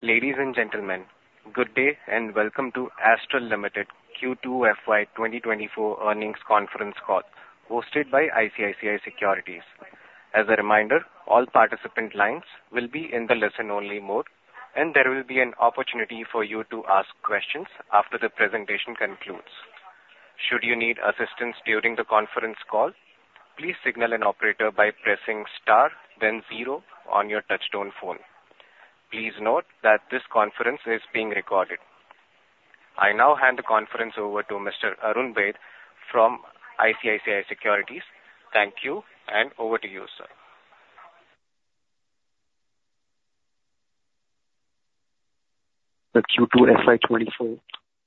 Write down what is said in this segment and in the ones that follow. Ladies and gentlemen, good day, and welcome to Astral Limited Q2 FY 2024 earnings conference call, hosted by ICICI Securities. As a reminder, all participant lines will be in the listen-only mode, and there will be an opportunity for you to ask questions after the presentation concludes. Should you need assistance during the conference call, please signal an operator by pressing Star, then Zero on your touch-tone phone. Please note that this conference is being recorded. I now hand the conference over to Mr. Arun Baid from ICICI Securities. Thank you, and over to you, sir. The Q2 FY 2024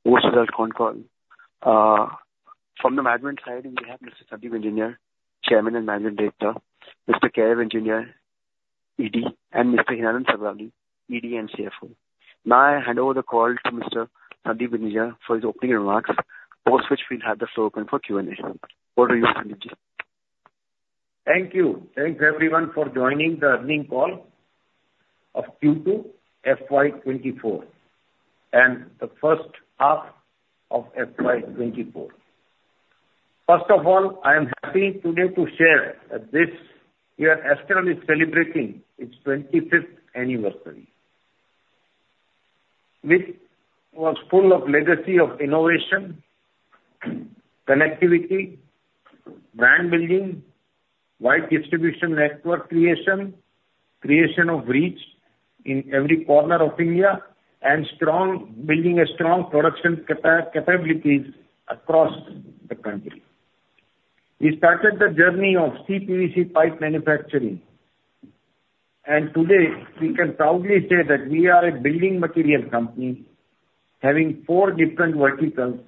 post result con call. From the management side, we have Mr. Sandeep Engineer, Chairman and Managing Director, Mr. Kairav Engineer, ED, and Mr. Hiranand Savlani, ED and CFO. Now, I hand over the call to Mr. Sandeep Engineer for his opening remarks, after which we'll have the floor open for Q&A. Over to you, Mr. Engineer. Thank you. Thanks, everyone, for joining the earnings call of Q2 FY 2024, and the first half of FY 2024. First of all, I am happy today to share that this year Astral is celebrating its 25th anniversary. This was full of legacy of innovation, connectivity, brand building, wide distribution network creation, creation of reach in every corner of India, and building a strong production capabilities across the country. We started the journey of CPVC pipe manufacturing, and today we can proudly say that we are a building material company, having four different verticals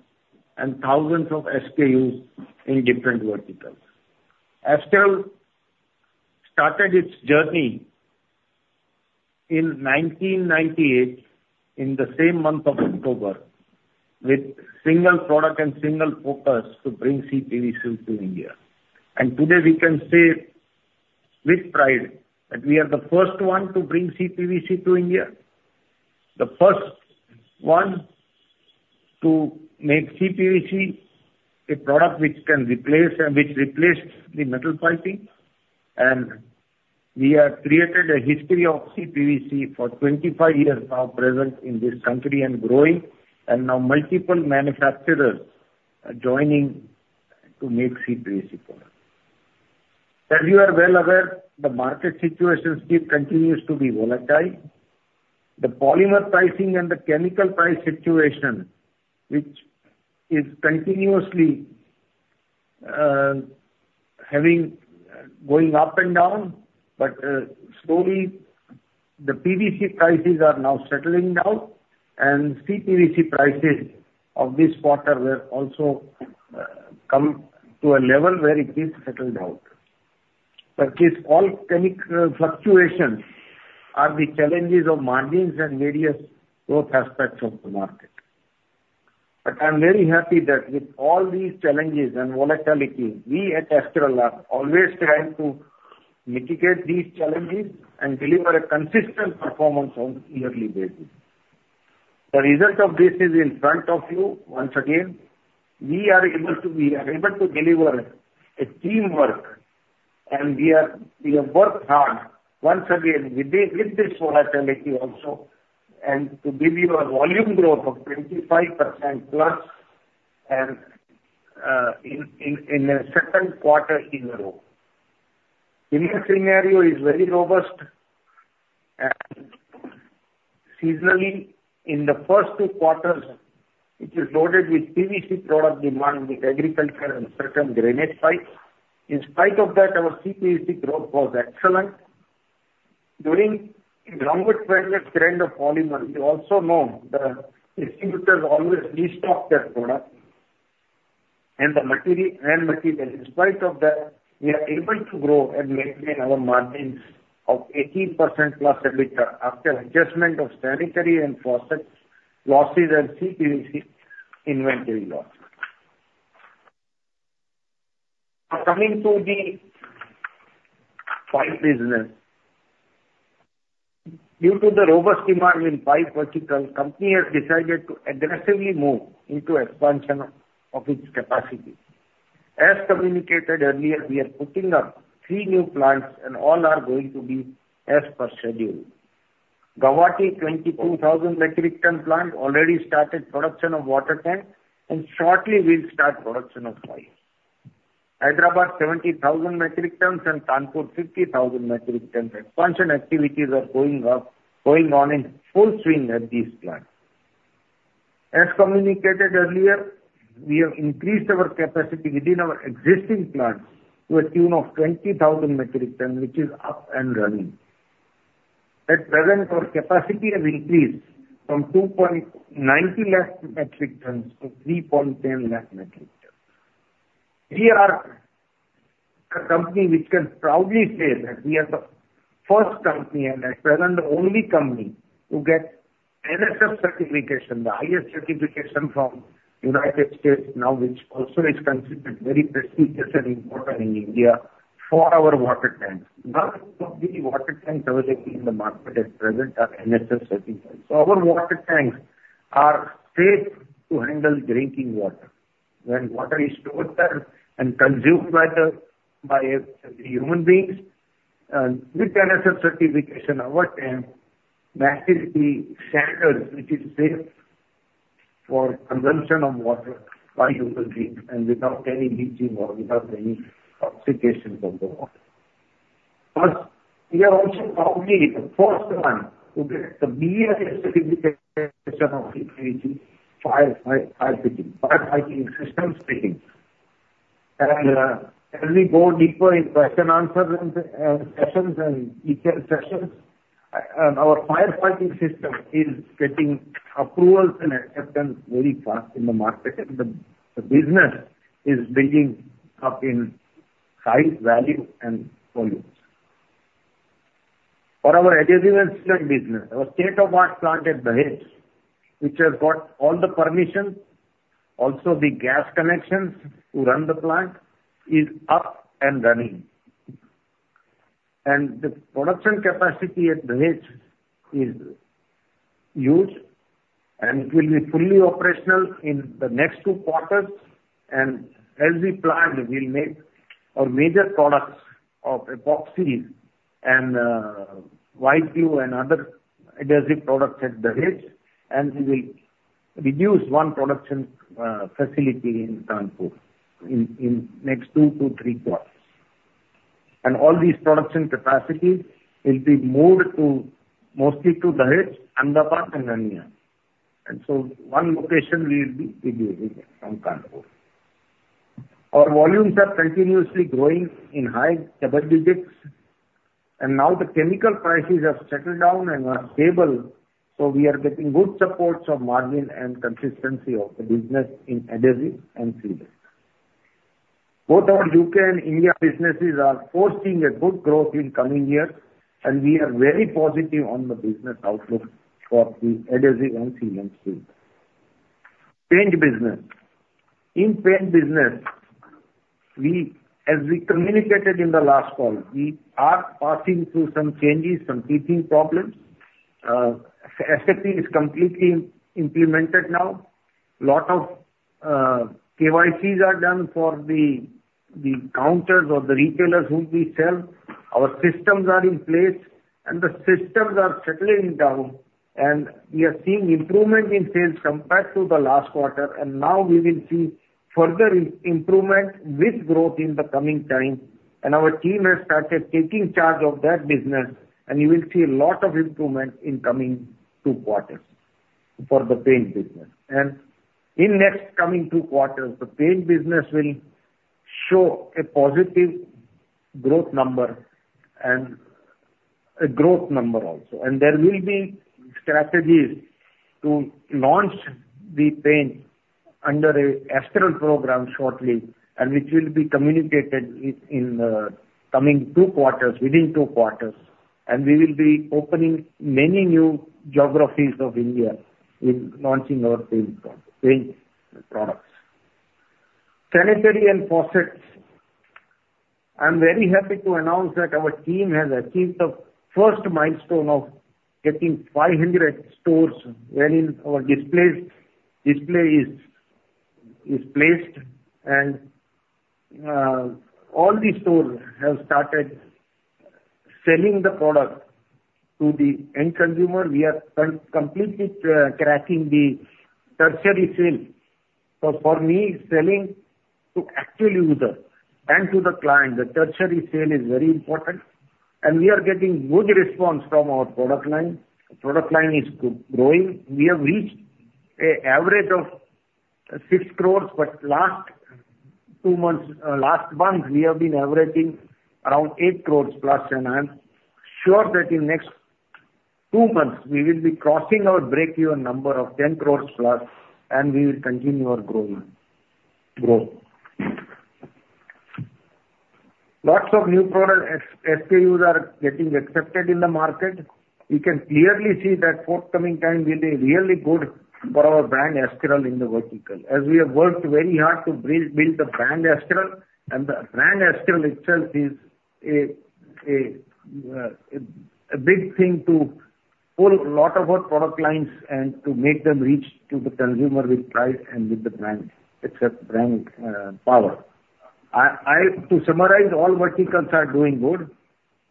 and thousands of SKUs in different verticals. Astral started its journey in 1998, in the same month of October, with single product and single focus to bring CPVC to India. Today we can say with pride, that we are the first one to bring CPVC to India, the first one to make CPVC a product which can replace and which replaced the metal piping. We have created a history of CPVC for 25 years now present in this country and growing, and now multiple manufacturers are joining to make CPVC product. As you are well aware, the market situation still continues to be volatile. The polymer pricing and the chemical price situation, which is continuously going up and down, but, slowly, the PVC prices are now settling down, and CPVC prices of this quarter were also come to a level where it is settled out. But these all chemical fluctuations are the challenges of margins and various growth aspects of the market. But I'm very happy that with all these challenges and volatility, we at Astral are always trying to mitigate these challenges and deliver a consistent performance on a yearly basis. The result of this is in front of you. Once again, we are able to, we are able to deliver a teamwork, and we are, we have worked hard once again with this, with this volatility also, and to give you a volume growth of 25% plus and, in a second quarter in a row. India scenario is very robust, and seasonally, in the first two quarters, it is loaded with PVC product demand with agriculture and certain drainage pipes. In spite of that, our CPVC growth was excellent. During longer periods trend of polymer, you also know the distributors always restock their product and the material end material. In spite of that, we are able to grow and maintain our margins of 18%+ EBITDA, after adjustment of sanitary and faucet losses and CPVC inventory losses. Now, coming to the pipe business. Due to the robust demand in pipe vertical, company has decided to aggressively move into expansion of its capacity. As communicated earlier, we are putting up three new plants, and all are going to be as per schedule. Guwahati, 22,000 metric ton plant, already started production of water tank, and shortly we'll start production of pipes. Hyderabad, 70,000 metric tons and Kanpur, 50,000 metric ton. Expansion activities are going on in full swing at these plants. As communicated earlier, we have increased our capacity within our existing plants to a tune of 20,000 metric ton, which is up and running. At present, our capacity has increased from 2.90 lakh metric tons to 3.10 lakh metric ton. We are a company which can proudly say that we are the first company, and at present, the only company to get NSF certification, the highest certification from United States, now, which also is considered very prestigious and important in India for our water tanks. None of the water tanks available in the market at present are NSF certified. So our water tanks are safe to handle drinking water. When water is stored there and consumed by the human beings, and with NSF certification, our tank matches the standards which is safe for consumption of water by human beings and without any leaching or without any toxications of the water. Plus, we are also probably the first one to get the BIS certification of the fire fighting systems. And, as we go deeper in question answer and sessions and detail sessions, and our fire fighting system is getting approvals and acceptance very fast in the market, and the business is building up in high value and volumes. For our adhesive and sealant business, our state-of-the-art plant at Dahej, which has got all the permissions, also the gas connections to run the plant, is up and running. And the production capacity at Dahej is huge, and it will be fully operational in the next two quarters. As we plan, we will make our major products of epoxies and PU and other adhesive products at Dahej, and we will reduce one production facility in Kanpur in next two to three quarters. All these production capacities will be moved to mostly to Dahej, Ahmedabad and Rania. So one location will be reducing from Kanpur. Our volumes are continuously growing in high double digits, and now the chemical prices have settled down and are stable, so we are getting good supports of margin and consistency of the business in adhesive and sealants. Both our UK and India businesses are forecasting a good growth in coming years, and we are very positive on the business outlook for the adhesive and sealants suite. Paint business. In paint business, as we communicated in the last call, we are passing through some changes, some teething problems. SAP is completely implemented now. A lot of KYCs are done for the counters or the retailers whom we sell. Our systems are in place, and the systems are settling down, and we are seeing improvement in sales compared to the last quarter. Now we will see further improvement with growth in the coming time. Our team has started taking charge of that business, and you will see a lot of improvement in coming two quarters for the paint business. In next coming two quarters, the paint business will show a positive growth number and a growth number also. There will be strategies to launch the paint under a Astral program shortly, and which will be communicated in coming two quarters, within two quarters. We will be opening many new geographies of India in launching our paint products. Sanitary and faucets. I'm very happy to announce that our team has achieved the first milestone of getting 500 stores, wherein our display is placed, and all the stores have started selling the product to the end consumer. We are completely cracking the tertiary sale. So for me, selling to actual user and to the client, the tertiary sale is very important, and we are getting good response from our product line. Product line is growing. We have reached a average of 6 crore, but last two months, last month, we have been averaging around 8 crore+, and I am sure that in next two months we will be crossing our break-even number of 10 crore+, and we will continue our growing, growth. Lots of new product SKUs are getting accepted in the market. We can clearly see that forthcoming time will be really good for our brand Astral in the vertical, as we have worked very hard to build the brand Astral. The brand Astral itself is a big thing to pull a lot of our product lines and to make them reach to the consumer with price and with the brand, except brand power. To summarize, all verticals are doing good.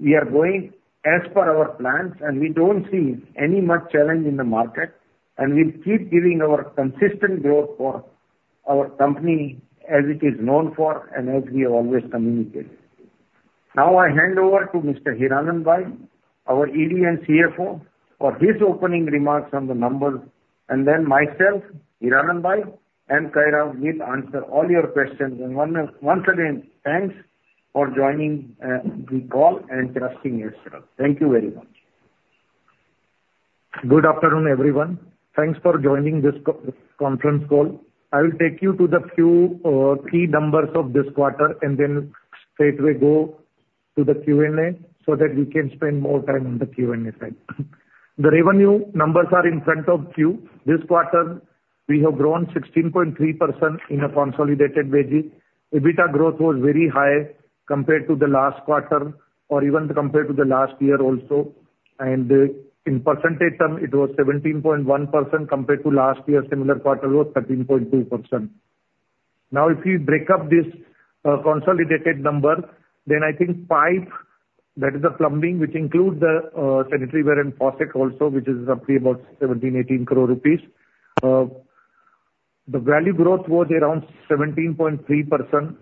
We are going as per our plans, and we don't see any much challenge in the market, and we'll keep giving our consistent growth for our company as it is known for and as we have always communicated. Now, I hand over to Mr. Hiranand bhai, our ED and CFO, for his opening remarks on the numbers. Then myself, Hiranand bhai, and Kairav will answer all your questions. Once again, thanks for joining the call and trusting Astral. Thank you very much. Good afternoon, everyone. Thanks for joining this conference call. I will take you to the few key numbers of this quarter and then straightaway go to the Q&A so that we can spend more time on the Q&A side. The revenue numbers are in front of you. This quarter we-... We have grown 16.3% in a consolidated basis. EBITDA growth was very high compared to the last quarter or even compared to the last year also, and, in percentage term, it was 17.1% compared to last year similar quarter was 13.2%. Now, if you break up this, consolidated number, then I think pipe, that is the plumbing, which includes the, sanitary ware and faucet also, which is roughly about 17 crore-18 crore rupees. The value growth was around 17.3%,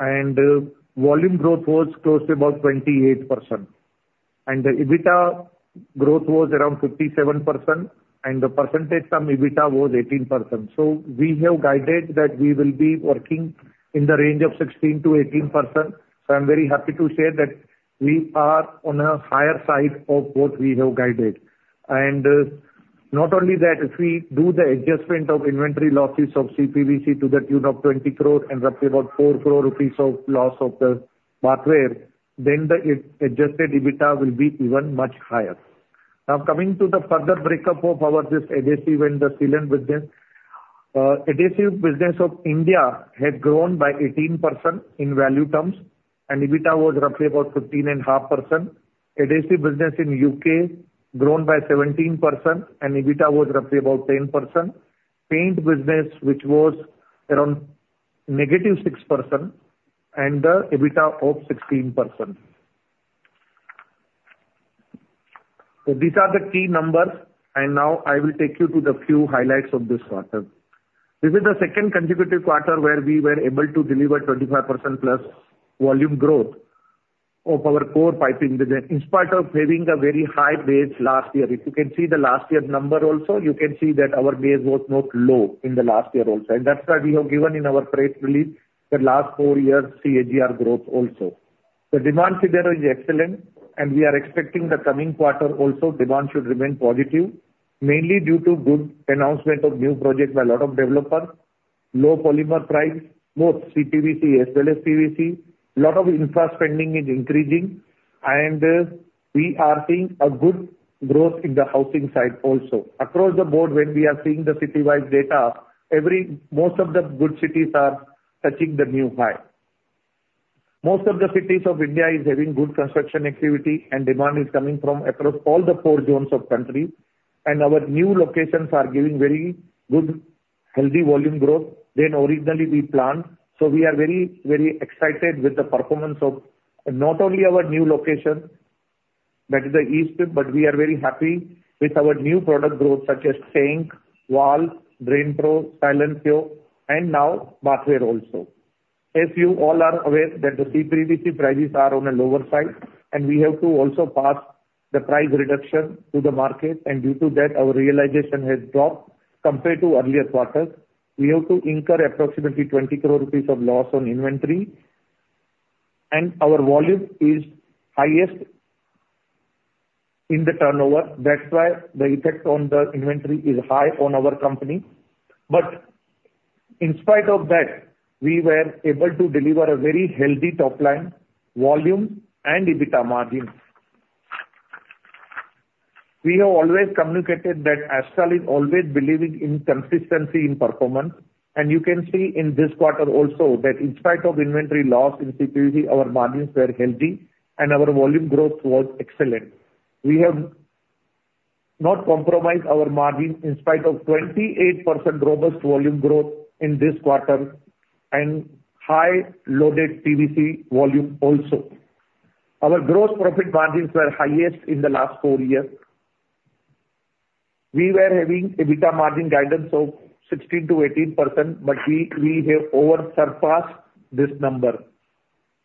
and volume growth was close to about 28%, and the EBITDA growth was around 57%, and the percentage from EBITDA was 18%. So we have guided that we will be working in the range of 16%-18%. So I'm very happy to say that we are on a higher side of what we have guided. And not only that, if we do the adjustment of inventory losses of CPVC to the tune of 20 crore and roughly about 4 crore rupees of loss of the bathware, then the adjusted EBITDA will be even much higher. Now, coming to the further break up of our this adhesive and the sealant business. Adhesive business of India had grown by 18% in value terms, and EBITDA was roughly about 15.5%. Adhesive business in U.K. grown by 17% and EBITDA was roughly about 10%. Paint business, which was around -6% and an EBITDA of 16%. So these are the key numbers, and now I will take you to the few highlights of this quarter. This is the second consecutive quarter where we were able to deliver 25% plus volume growth of our core piping business, in spite of having a very high base last year. If you can see the last year's number also, you can see that our base was not low in the last year also, and that's why we have given in our press release the last four years CAGR growth also. The demand scenario is excellent, and we are expecting the coming quarter also, demand should remain positive, mainly due to good announcement of new projects by a lot of developers, low polymer prices, both CPVC as well as PVC. Lot of infra spending is increasing, and we are seeing a good growth in the housing side also. Across the board, when we are seeing the city-wide data, every... Most of the good cities are touching the new high. Most of the cities of India is having good construction activity, and demand is coming from across all the four zones of country, and our new locations are giving very good healthy volume growth than originally we planned. So we are very, very excited with the performance of not only our new location, that is the East, but we are very happy with our new product growth, such as sink, valve, DrainPro, Silencio, and now bathware also. As you all are aware, that the CPVC prices are on a lower side, and we have to also pass the price reduction to the market, and due to that, our realization has dropped compared to earlier quarters. We have to incur approximately 20 crore rupees of loss on inventory, and our volume is highest in the turnover, that's why the effect on the inventory is high on our company. But in spite of that, we were able to deliver a very healthy top line volume and EBITDA margin. We have always communicated that Astral is always believing in consistency in performance, and you can see in this quarter also that in spite of inventory loss in CPVC, our margins were healthy and our volume growth was excellent. We have not compromised our margin in spite of 28% robust volume growth in this quarter and high loaded PVC volume also. Our gross profit margins were highest in the last four years. We were having EBITDA margin guidance of 16%-18%, but we, we have over surpassed this number,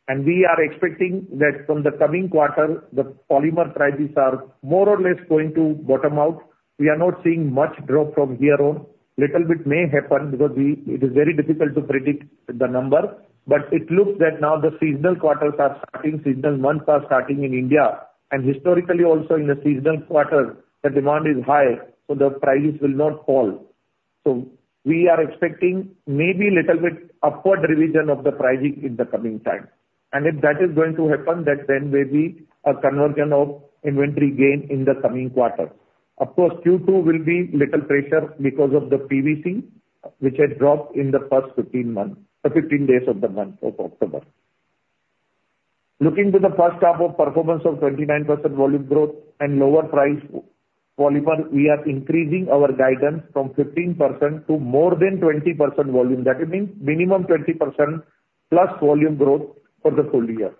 and we are expecting that from the coming quarter, the polymer prices are more or less going to bottom out. We are not seeing much drop from here on. Little bit may happen because it is very difficult to predict the number, but it looks that now the seasonal quarters are starting, seasonal months are starting in India, and historically also in the seasonal quarter, the demand is high, so the prices will not fall. So we are expecting maybe little bit upward revision of the pricing in the coming time. And if that is going to happen, that then may be a conversion of inventory gain in the coming quarter. Of course, Q2 will be little pressure because of the PVC, which had dropped in the first 15 months, or 15 days of the month of October. Looking to the first half of performance of 29% volume growth and lower price polymer, we are increasing our guidance from 15% to more than 20% volume. That means minimum 20% plus volume growth for the full year.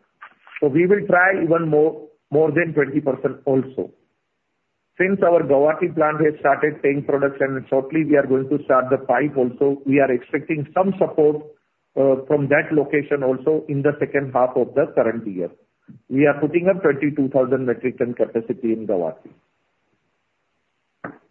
So we will try even more, more than 20% also. Since our Guwahati plant has started paint production, and shortly we are going to start the pipe also, we are expecting some support from that location also in the second half of the current year. We are putting up 22,000 metric ton capacity in Guwahati.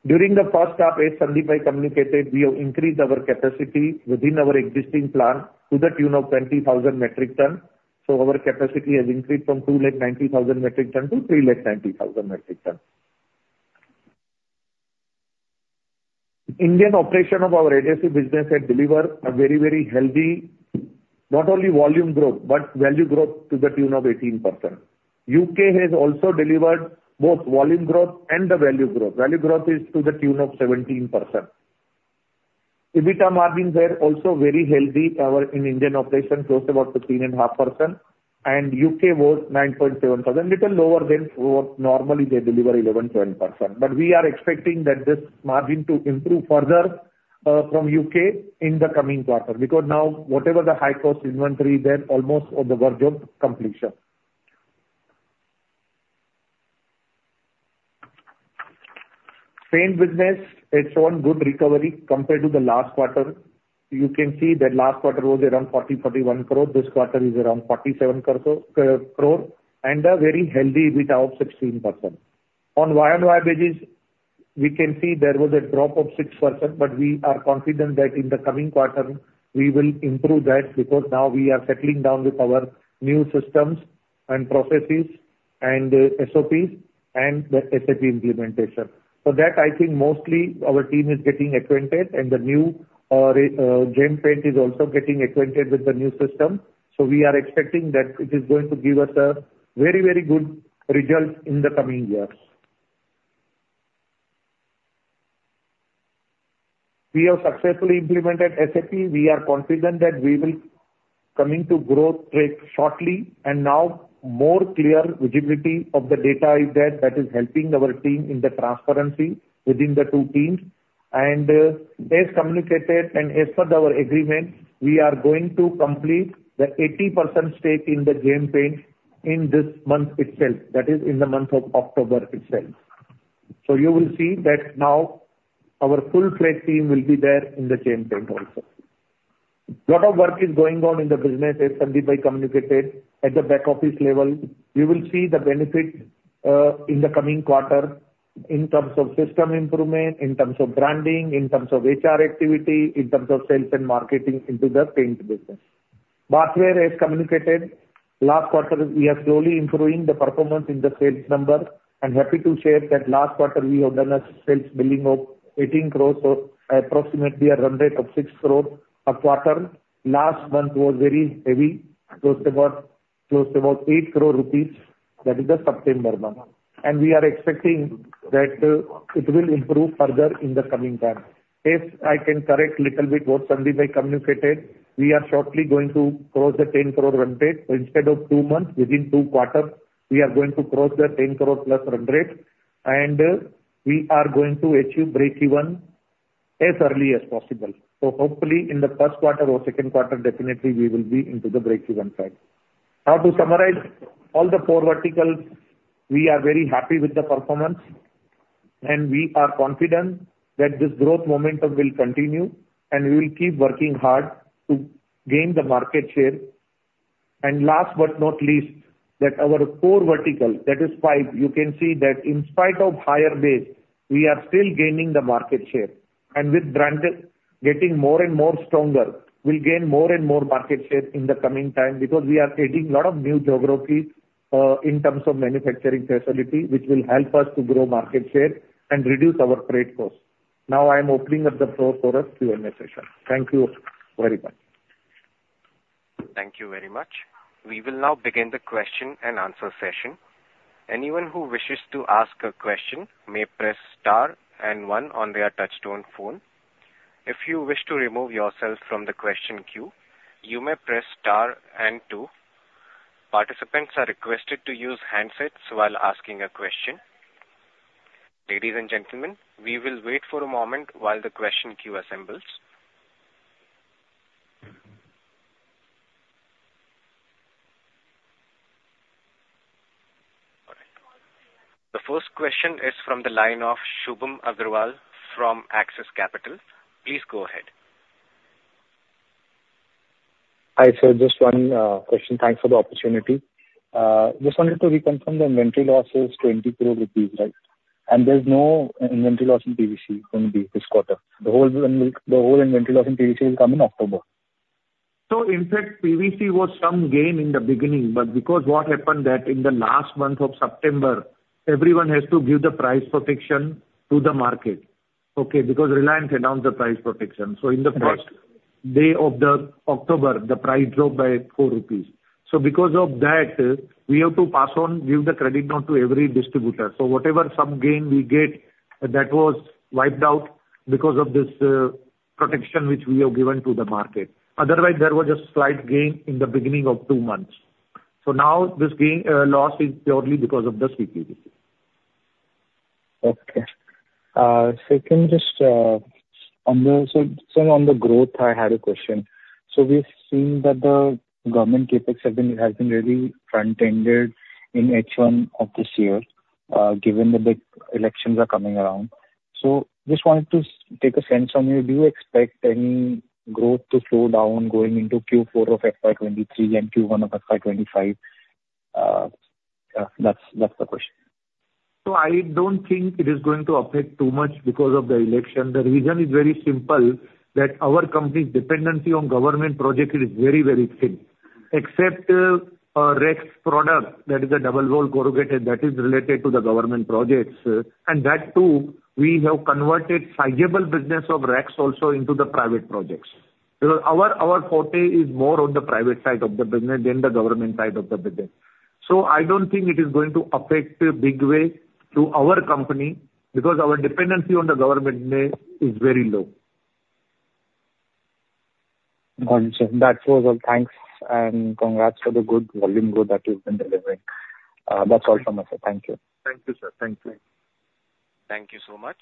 During the first half, as Sandeep has communicated, we have increased our capacity within our existing plant to the tune of 20,000 metric ton. So our capacity has increased from 2,90,000 metric ton to 3,90,000 metric ton. Indian operation of our adhesive business had delivered a very, very healthy. Not only volume growth, but value growth to the tune of 18%. UK has also delivered both volume growth and the value growth. Value growth is to the tune of 17%. EBITDA margins were also very healthy, our, in Indian operations, close to about 13.5%, and UK was 9.7%, little lower than what normally they deliver, 11%-12%. But we are expecting that this margin to improve further from UK in the coming quarter, because now whatever the high-cost inventory, they're almost on the verge of completion. Paint business has shown good recovery compared to the last quarter. You can see that last quarter was around 40-41 crore. This quarter is around 47 crore, and a very healthy EBITDA of 16%. On YOY basis, we can see there was a drop of 6%, but we are confident that in the coming quarter we will improve that, because now we are settling down with our new systems and processes and SOPs and the SAP implementation. So that, I think, mostly our team is getting acquainted, and the new Gem Paints is also getting acquainted with the new system. So we are expecting that it is going to give us a very, very good result in the coming years. We have successfully implemented SAP. We are confident that we will coming to growth rate shortly, and now more clear visibility of the data is there that is helping our team in the transparency within the two teams. And, as communicated and as per our agreement, we are going to complete the 80% stake in the Gem Paints in this month itself, that is, in the month of October itself. So you will see that now our full-fledged team will be there in the Gem Paints also. Lot of work is going on in the business, as Sandeep has communicated, at the back office level. You will see the benefit in the coming quarter in terms of system improvement, in terms of branding, in terms of HR activity, in terms of sales and marketing into the paint business. Bathware, as communicated last quarter, we are slowly improving the performance in the sales number. I'm happy to share that last quarter we have done a sales billing of 18 crore, so approximately a run rate of 6 crore a quarter. Last month was very heavy, close about eight crore rupees. That is the September month. And we are expecting that it will improve further in the coming time. If I can correct little bit what Sandeep has communicated, we are shortly going to cross the 10 crore run rate. So instead of two months, within two quarters, we are going to cross the 10 crore+ run rate, and we are going to achieve breakeven as early as possible. So hopefully, in the first quarter or second quarter, definitely we will be into the breakeven track. Now, to summarize all four verticals, we are very happy with the performance, and we are confident that this growth momentum will continue, and we will keep working hard to gain the market share. And last but not least, that our core vertical, that is Pipe, you can see that in spite of higher base, we are still gaining the market share, and with branded getting more and more stronger, we'll gain more and more market share in the coming time because we are adding lot of new geographies, in terms of manufacturing facility, which will help us to grow market share and reduce our freight costs. Now I am opening up the floor for a Q&A session. Thank you very much. Thank you very much. We will now begin the question and answer session. Anyone who wishes to ask a question may press star and one on their touch-tone phone. If you wish to remove yourself from the question queue, you may press star and two. Participants are requested to use handsets while asking a question. Ladies and gentlemen, we will wait for a moment while the question queue assembles. All right. The first question is from the line of Shubham Aggarwal from Axis Capital. Please go ahead. Hi, sir, just one question. Thanks for the opportunity. Just wanted to reconfirm the inventory loss is 20 crore rupees, right? And there's no inventory loss in PVC going to be this quarter. The whole inventory loss in PVC will come in October. So in fact, PVC was some gain in the beginning, but because what happened that in the last month of September, everyone has to give the price protection to the market, okay? Because Reliance announced the price protection. Right. So in the first day of October, the price dropped by 4 rupees. So because of that, we have to pass on, give the credit note to every distributor. So whatever some gain we get, that was wiped out because of this, protection which we have given to the market. Otherwise, there was a slight gain in the beginning of 2 months. So now this gain, loss is purely because of the CPVC. Okay. Second, just on the, so sir, on the growth, I had a question. So we've seen that the government CapEx have been, has been really front-ended in H1 of this year, given the big elections are coming around. So just wanted to take a sense from you, do you expect any growth to slow down going into Q4 of FY 2023 and Q1 of FY 2025? That's the question. So I don't think it is going to affect too much because of the election. The reason is very simple, that our company's dependency on government project is very, very thin. Except, Rex product, that is a double wall corrugated that is related to the government projects, and that too, we have converted sizable business of Rex also into the private projects. Because our forte is more on the private side of the business than the government side of the business. So I don't think it is going to affect a big way to our company, because our dependency on the government is very low. Got you. That was all. Thanks, and congrats for the good volume growth that you've been delivering. That's all from us, sir. Thank you. Thank you, sir. Thank you. Thank you so much.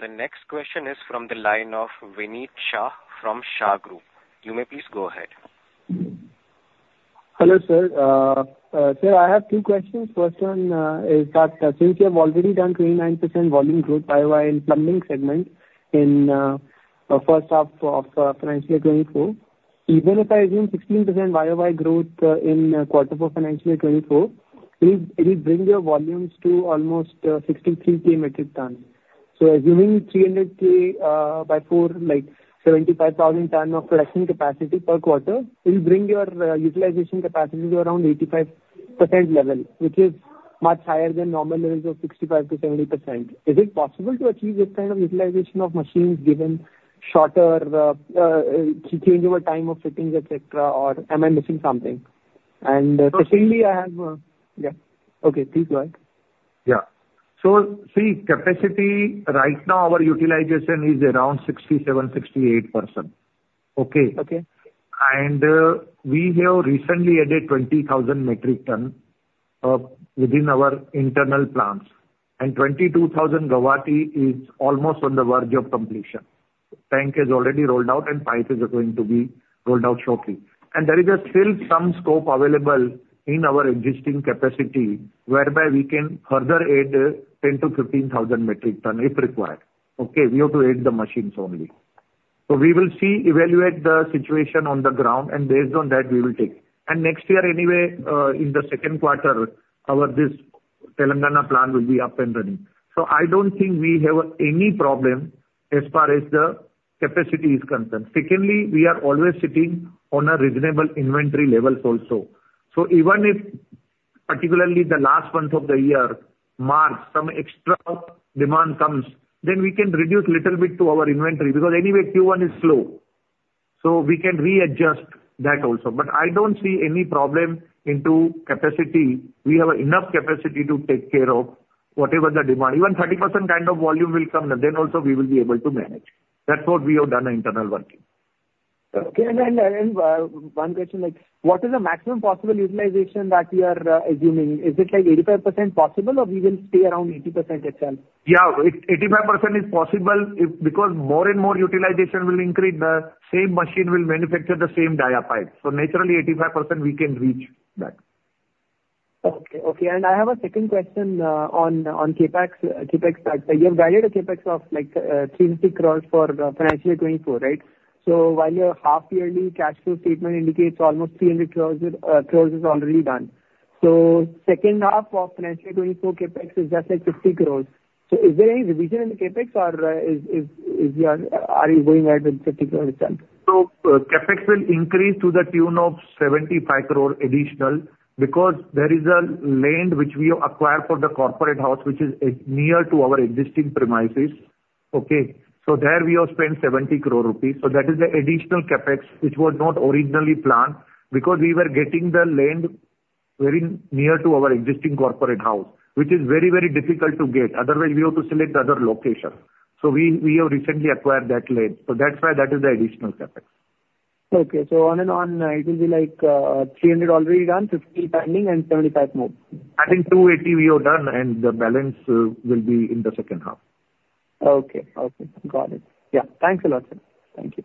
The next question is from the line of Vineet Shah from Shah Group. You may please go ahead. Hello, sir. Sir, I have two questions. First one is that since you have already done 29% volume growth YoY in plumbing segment in first half of financial 2024, even if I assume 16% YoY growth in quarter for financial 2024, it will bring your volumes to almost 63k metric ton. So assuming 300k by four, like 75,000 ton of production capacity per quarter, it will bring your utilization capacity to around 85% level, which is much higher than normal levels of 65%-70%. Is it possible to achieve this kind of utilization of machines given shorter change over time of fittings, et cetera, or am I missing something? And secondly, I have... Yeah. Okay, please go ahead. Yeah. So see, capacity, right now, our utilization is around 67%-68%. Okay? Okay. We have recently added 20,000 metric tons within our internal plants, and 22,000 Guwahati is almost on the verge of completion. Tanks are already rolled out, and pipes are going to be rolled out shortly. And there is still some scope available in our existing capacity, whereby we can further add 10,000-15,000 metric tons if required. Okay, we have to add the machines only. So we will see, evaluate the situation on the ground, and based on that, we will take. And next year, anyway, in the second quarter, our Telangana plant will be up and running. So I don't think we have any problem as far as the capacity is concerned. Secondly, we are always sitting on a reasonable inventory levels also. So even if, particularly the last month of the year, March, some extra demand comes, then we can reduce little bit to our inventory, because anyway, Q1 is slow. So we can readjust that also. But I don't see any problem into capacity. We have enough capacity to take care of whatever the demand. Even 30% kind of volume will come, then also we will be able to manage. That's what we have done internal working. Okay, and then, one question, like, what is the maximum possible utilization that you are assuming? Is it like 85% possible or we will stay around 80% itself? Yeah, 85% is possible, if because more and more utilization will increase, the same machine will manufacture the same dia pipes. So naturally, 85% we can reach that. Okay, okay. And I have a second question, on, on CapEx, CapEx. You have guided a CapEx of, like, 350 crores for the financial year 2024, right? So while your half-yearly cash flow statement indicates almost 300 crores is already done. So second half of financial year 2024 CapEx is just like 50 crores. So is there any revision in the CapEx or, is, is, is your-- are you going ahead with 50 crores itself? So, CapEx will increase to the tune of 75 crore additional because there is a land which we acquired for the corporate house, which is near to our existing premises. Okay, so there we have spent INR 70 crore. So that is the additional CapEx, which was not originally planned, because we were getting the land very near to our existing corporate house, which is very, very difficult to get. Otherwise, we have to select other location. So we have recently acquired that land. So that's why that is the additional CapEx. Okay. So on and on, it will be like, 300 already done, 50 pending and 75 more. I think 280 we are done, and the balance will be in the second half. Okay. Okay, got it. Yeah. Thanks a lot, sir. Thank you.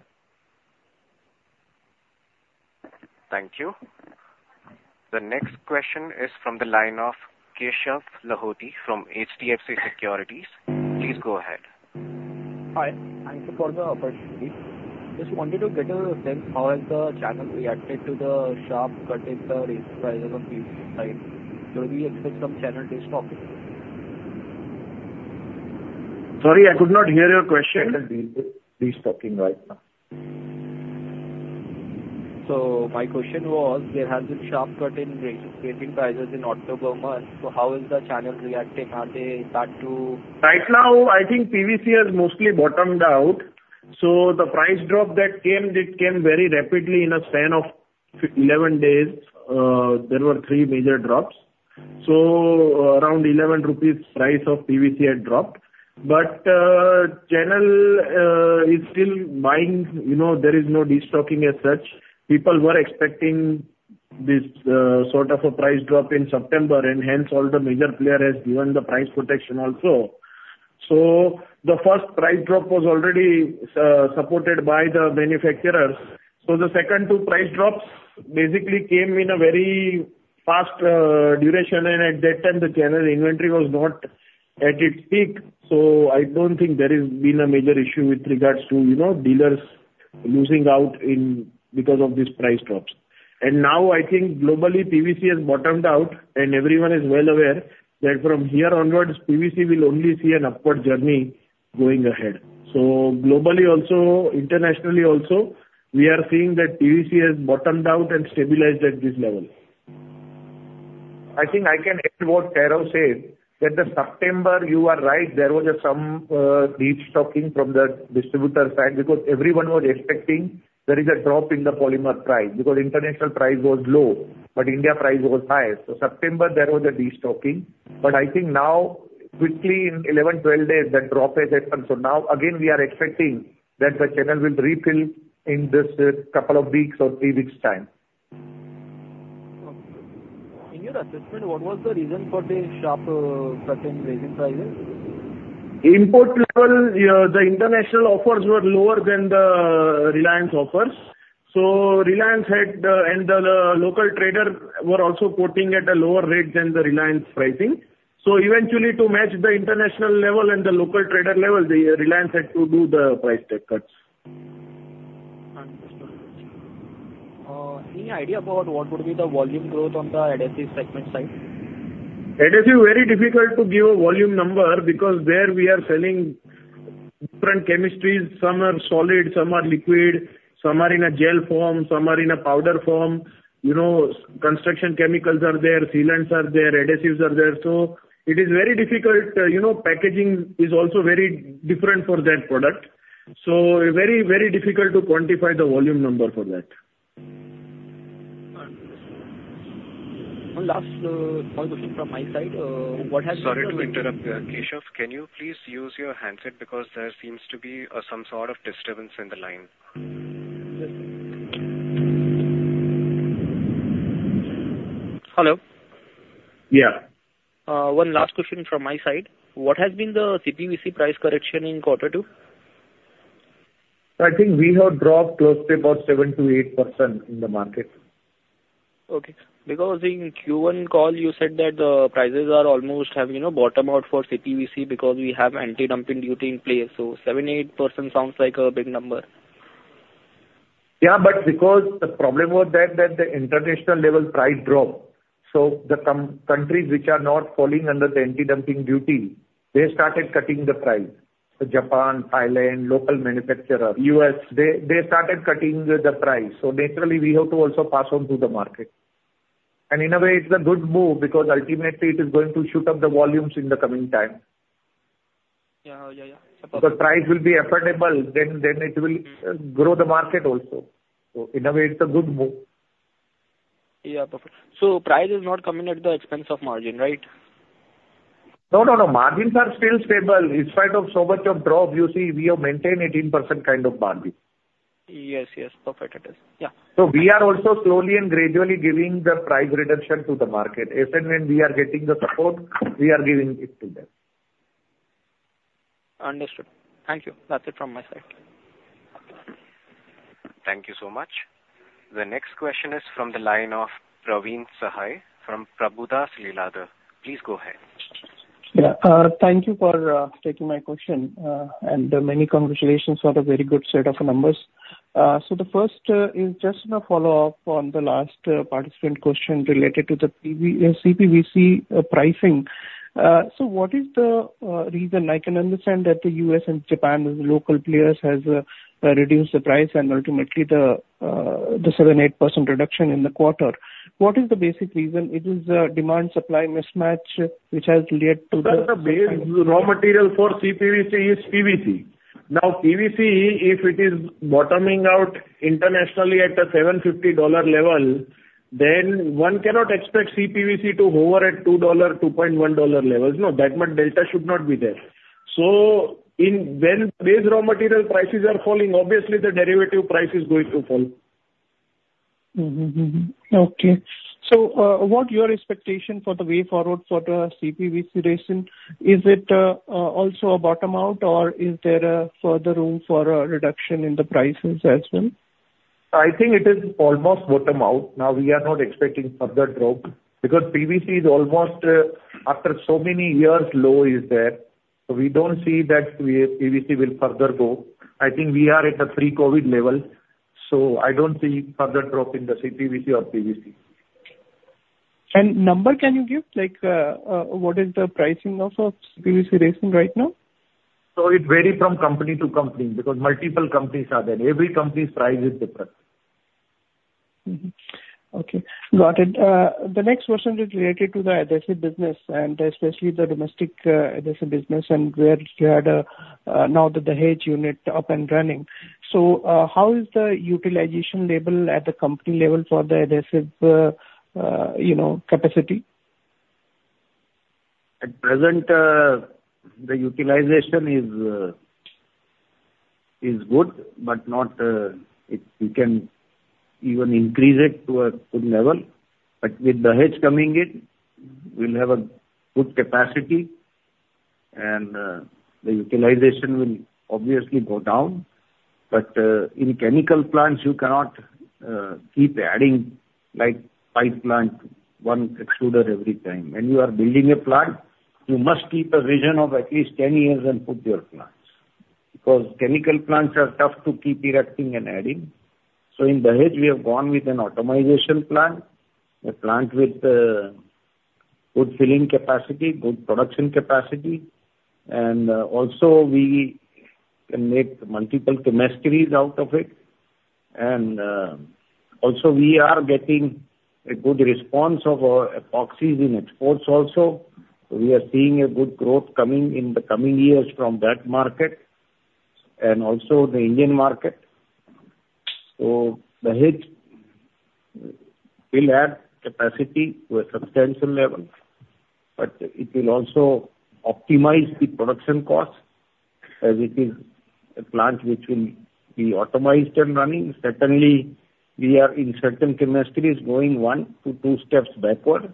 Thank you. The next question is from the line of Keshav Lahoti from HDFC Securities. Please go ahead. Hi. Thank you for the opportunity. Just wanted to get a sense, how has the channel reacted to the sharp cut in the resin prices on PVC side? Should we expect some channel destocking? Sorry, I could not hear your question. Destocking right now. So my question was, there has been sharp cut in pricing prices in October month, so how is the channel reacting? Are they start to- Right now, I think PVC has mostly bottomed out. So the price drop that came, it came very rapidly in a span of 11 days, there were 3 major drops. So around 11 rupees, price of PVC had dropped. But, channel, is still buying, you know, there is no destocking as such. People were expecting this, sort of a price drop in September, and hence all the major player has given the price protection also. So the first price drop was already, supported by the manufacturers. So the second two price drops basically came in a very fast, duration, and at that time, the general inventory was not at its peak. So I don't think there has been a major issue with regards to, you know, dealers losing out in... because of these price drops. And now I think globally, PVC has bottomed out, and everyone is well aware that from here onwards, PVC will only see an upward journey going ahead. So globally also, internationally also, we are seeing that PVC has bottomed out and stabilized at this level. I think I can add what Kairav said, that the September, you are right, there was some destocking from the distributor side, because everyone was expecting there is a drop in the polymer price, because international price was low, but India price was high. So September there was a destocking, but I think now, quickly in 11, 12 days, the drop has happened. So now again, we are expecting that the channel will refill in this couple of weeks or three weeks' time. Okay. In your assessment, what was the reason for the sharp, sudden rise in prices? Import level, yeah, the international offers were lower than the Reliance offers. So Reliance had, and the local trader were also quoting at a lower rate than the Reliance pricing. So eventually, to match the international level and the local trader level, the Reliance had to do the price cuts. Understood. Any idea about what would be the volume growth on the adhesive segment side? Adhesive, very difficult to give a volume number, because there we are selling different chemistries. Some are solid, some are liquid, some are in a gel form, some are in a powder form. You know, construction chemicals are there, sealants are there, adhesives are there. So it is very difficult. You know, packaging is also very different for that product. So very, very difficult to quantify the volume number for that. One last point from my side, what has- Sorry to interrupt, Keshav. Can you please use your handset? Because there seems to be some sort of disturbance in the line. Hello. Yeah. One last question from my side. What has been the CPVC price correction in quarter two? I think we have dropped closely about 7%-8% in the market. Okay. Because in Q1 call, you said that the prices are almost have, you know, bottomed out for CPVC, because we have anti-dumping duty in place. So 7%-8% sounds like a big number. Yeah, but because the problem was that the international level price dropped. So the countries which are not falling under the anti-dumping duty, they started cutting the price. So Japan, Thailand, local manufacturer, U.S., they started cutting the price. So naturally, we have to also pass on to the market. And in a way, it's a good move, because ultimately it is going to shoot up the volumes in the coming time. Yeah. Yeah, yeah. The price will be affordable, then it will grow the market also. So in a way, it's a good move. Yeah, perfect. So price is not coming at the expense of margin, right? No, no, no. Margins are still stable. In spite of so much of drop, you see, we have maintained 18% kind of margin. Yes, yes. Perfect it is. Yeah. We are also slowly and gradually giving the price reduction to the market. As and when we are getting the support, we are giving it to them. Understood. Thank you. That's it from my side. Thank you so much. The next question is from the line of Praveen Sahay from Prabhudas Lilladher. Please go ahead. Yeah. Thank you for taking my question. And many congratulations on a very good set of numbers. So the first is just a follow-up on the last participant question related to the PVC-CPVC pricing. So what is the reason? I can understand that the US and Japan and the local players has reduced the price and ultimately the 7-8% reduction in the quarter. What is the basic reason? It is a demand-supply mismatch which has led to the- The base raw material for CPVC is PVC. Now, PVC, if it is bottoming out internationally at a $750 level, then one cannot expect CPVC to hover at $2-$2.1 levels. No, that much delta should not be there. So, when base raw material prices are falling, obviously the derivative price is going to fall. Mm-hmm, mm-hmm, mm-hmm. Okay. So, what your expectation for the way forward for the CPVC resin? Is it, also a bottom out or is there a further room for a reduction in the prices as well? I think it is almost bottom out. Now, we are not expecting further drop, because PVC is almost, after so many years, low is there. So we don't see that PVC will further go. I think we are at the pre-COVID level, so I don't see further drop in the CPVC or PVC. Numbers, can you give? Like, what is the pricing of CPVC ratio right now? It varies from company to company, because multiple companies are there. Every company's price is different. Mm-hmm. Okay, got it. The next question is related to the adhesive business, and especially the domestic adhesive business and where you had, now that the Dahej unit up and running. So, how is the utilization level at the company level for the adhesive, you know, capacity? At present, the utilization is good, but not... We can even increase it to a good level. But with the hedge coming in, we'll have a good capacity and the utilization will obviously go down. But in chemical plants, you cannot keep adding like five plant, one extruder every time. When you are building a plant, you must keep a vision of at least 10 years and put your plants, because chemical plants are tough to keep erecting and adding. So in the hedge, we have gone with an automation plant, a plant with... Good filling capacity, good production capacity, and also we can make multiple chemistries out of it. And also we are getting a good response of our epoxies in exports also. We are seeing a good growth coming in the coming years from that market and also the Indian market. So the plant will add capacity to a substantial level, but it will also optimize the production cost, as it is a plant which will be automated and running. Certainly, we are in certain chemistries going 1-2 steps backward,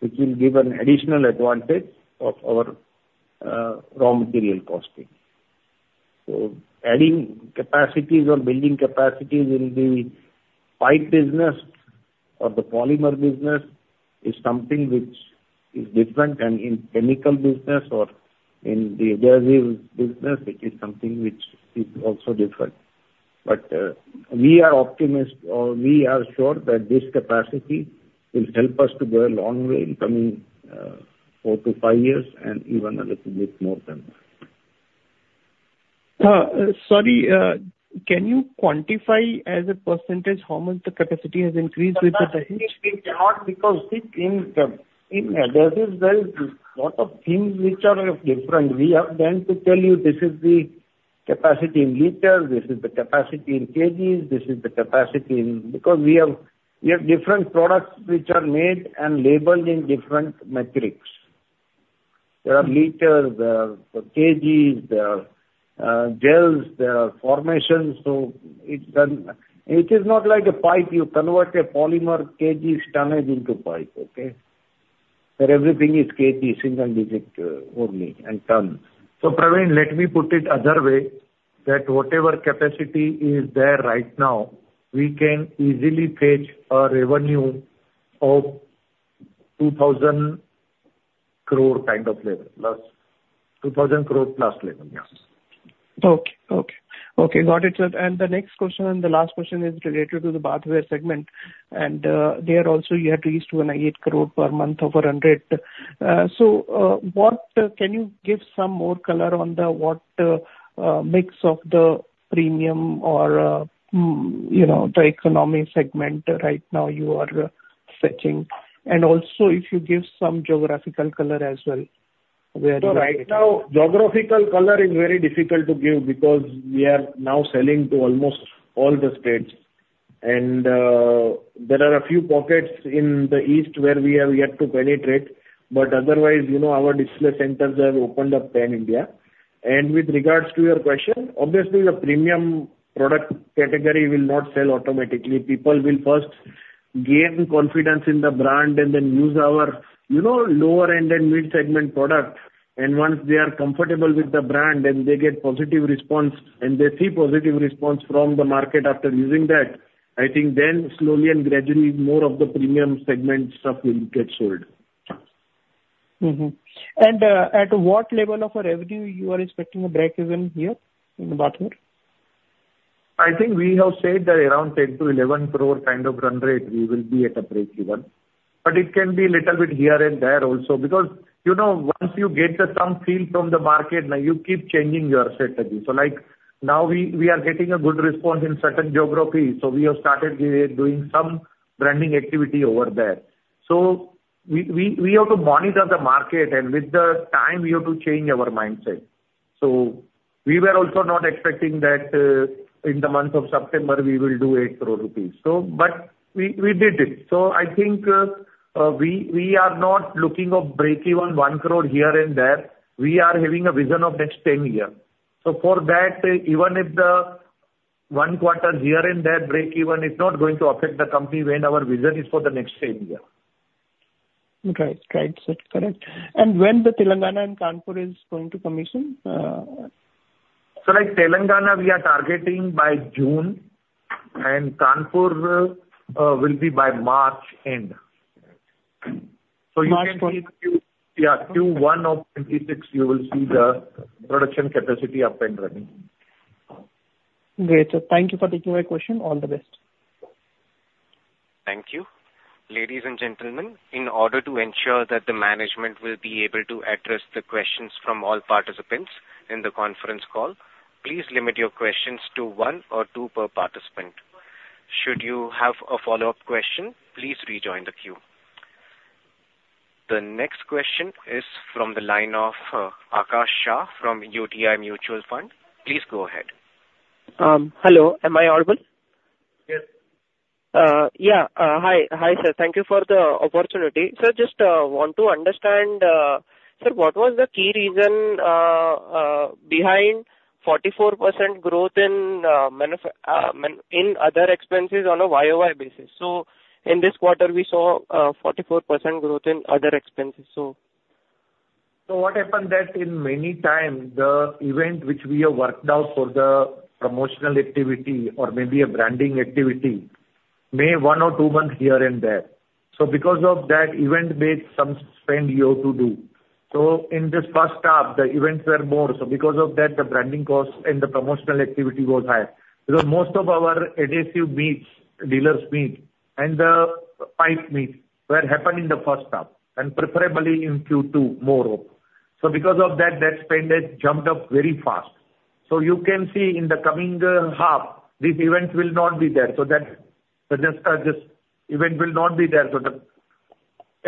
which will give an additional advantage of our raw material costing. So adding capacities or building capacities in the pipe business or the polymer business is something which is different than in chemical business or in the adhesive business, it is something which is also different. But we are optimistic, or we are sure that this capacity will help us to go a long way in coming 4-5 years and even a little bit more than that. Sorry, can you quantify as a percentage how much the capacity has increased with the- We cannot, because in adhesives, there is a lot of things which are different. We have then to tell you this is the capacity in liters, this is the capacity in kgs, this is the capacity in... Because we have, we have different products which are made and labeled in different metrics. There are liters, there are kgs, there are gels, there are formations. So it doesn't. It is not like a pipe, you convert a polymer kg tonnage into pipe, okay? Where everything is kg, single digit, only and tons. So, Pravin, let me put it other way, that whatever capacity is there right now, we can easily fetch a revenue of 2,000 crore kind of level, plus 2,000 crore plus level, yes. Okay. Okay. Okay, got it, sir. And the next question and the last question is related to the bathware segment, and there also you had reached to an 8 crore per month overrun rate. So, what can you give some more color on the mix of the premium or, you know, the economy segment right now you are fetching? And also, if you give some geographical color as well, where you are- So right now, geographical color is very difficult to give because we are now selling to almost all the states. And there are a few pockets in the east where we have yet to penetrate, but otherwise, you know, our display centers have opened up pan-India. And with regards to your question, obviously, the premium product category will not sell automatically. People will first gain confidence in the brand and then use our, you know, lower end and mid-segment product. And once they are comfortable with the brand, and they get positive response, and they see positive response from the market after using that, I think then, slowly and gradually, more of the premium segment stuff will get sold. Mm-hmm. And, at what level of a revenue you are expecting a break even here in the bathware? I think we have said that around 10-11 crore kind of run rate we will be at a break even, but it can be little bit here and there also. Because, you know, once you get the thumb feel from the market, now you keep changing your strategy. So, like, now we are getting a good response in certain geographies, so we have started doing some branding activity over there. So we have to monitor the market, and with the time, we have to change our mindset. So we were also not expecting that in the month of September, we will do 8 crore rupees. So but we did it. So I think we are not looking of break even 1 crore here and there. We are having a vision of next 10 year. For that, even if the one quarter here and there break even, it's not going to affect the company when our vision is for the next 10 year. Right. Right, sir. Correct. And when the Telangana and Kanpur is going to commission? So like Telangana, we are targeting by June, and Kanpur will be by March end. March- So you can see Q1 of 2026. Yeah, you will see the production capacity up and running. Great, sir. Thank you for taking my question. All the best. Thank you. Ladies and gentlemen, in order to ensure that the management will be able to address the questions from all participants in the conference call, please limit your questions to one or two per participant. Should you have a follow-up question, please rejoin the queue. The next question is from the line of Akash Shah from UTI Mutual Fund. Please go ahead. Hello. Am I audible? Yes. Yeah. Hi. Hi, sir. Thank you for the opportunity. Sir, just want to understand, sir, what was the key reason behind 44% growth in other expenses on a YOY basis? So in this quarter, we saw 44% growth in other expenses, so. So what happened that in many time, the event which we have worked out for the promotional activity or maybe a branding activity, may one or two months here and there. So because of that event-based, some spend you have to do. So in this first half, the events were more, so because of that, the branding costs and the promotional activity goes high. Because most of our adhesive meets, dealers meet, and the pipe meets were happened in the first half, and preferably in Q2 more. So because of that, that spend jumped up very fast. So you can see in the coming half, these events will not be there, so that just event will not be there, so the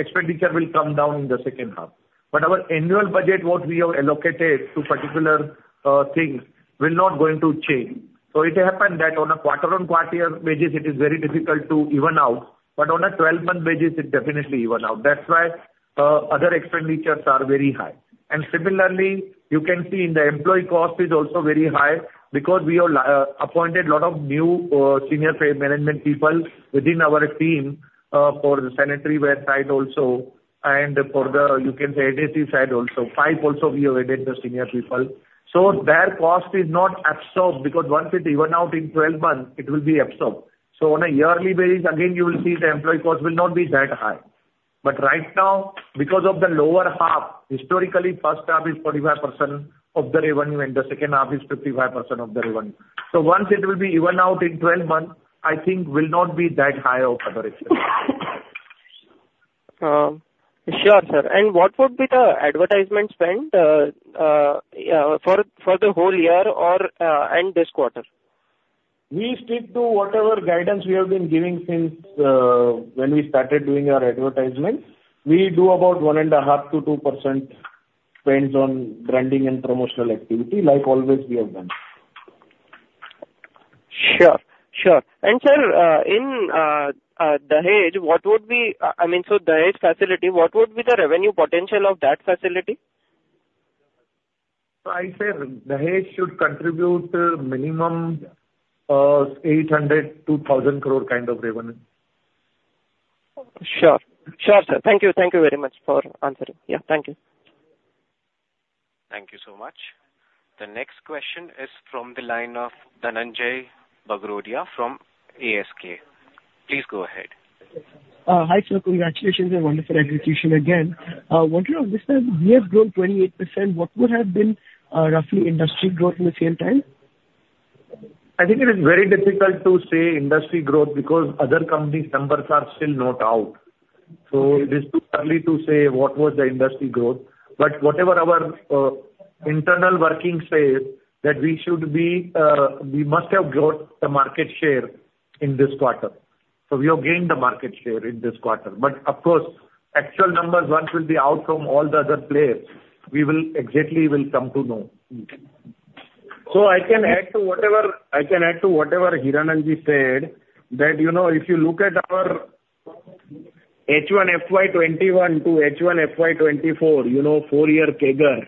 expenditure will come down in the second half. But our annual budget, what we have allocated to particular things will not going to change. So it happened that on a quarter-on-quarter basis, it is very difficult to even out, but on a twelve-month basis, it definitely even out. That's why other expenditures are very high. And similarly, you can see in the employee cost is also very high because we have appointed a lot of new senior management people within our team for the sanitary ware side also, and for the, you can say, adhesive side also. Pipe also, we have added the senior people. So their cost is not absorbed, because once it even out in twelve months, it will be absorbed. So on a yearly basis, again, you will see the employee cost will not be that high. But right now, because of the lower half, historically, first half is 45% of the revenue and the second half is 55% of the revenue. So, once it will be even out in 12 months, I think will not be that high of other expense. Sure, sir. And what would be the advertisement spend for the whole year or this quarter? We stick to whatever guidance we have been giving since when we started doing our advertisement. We do about 1.5%-2% spends on branding and promotional activity, like always we have done. Sure, sure. And sir, in Dahej, what would be... I mean, so Dahej facility, what would be the revenue potential of that facility? I say Dahej should contribute minimum 800 crore-1,000 crore kind of revenue. Sure. Sure, sir. Thank you. Thank you very much for answering. Yeah, thank you. Thank you so much. The next question is from the line of Dhananjay Bagrodia from ASK. Please go ahead. Hi, sir. Congratulations on wonderful execution again. Wanted to understand, you have grown 28%. What would have been roughly industry growth in the same time? I think it is very difficult to say industry growth because other companies' numbers are still not out. So it is too early to say what was the industry growth. But whatever our internal working says, that we should be, we must have grown the market share in this quarter. So we have gained the market share in this quarter. But of course, actual numbers, once will be out from all the other players, we will exactly will come to know. So I can add to whatever, I can add to whatever Hiranandji said, that, you know, if you look at our H1 FY 2021 to H1 FY 2024, you know, four-year CAGR,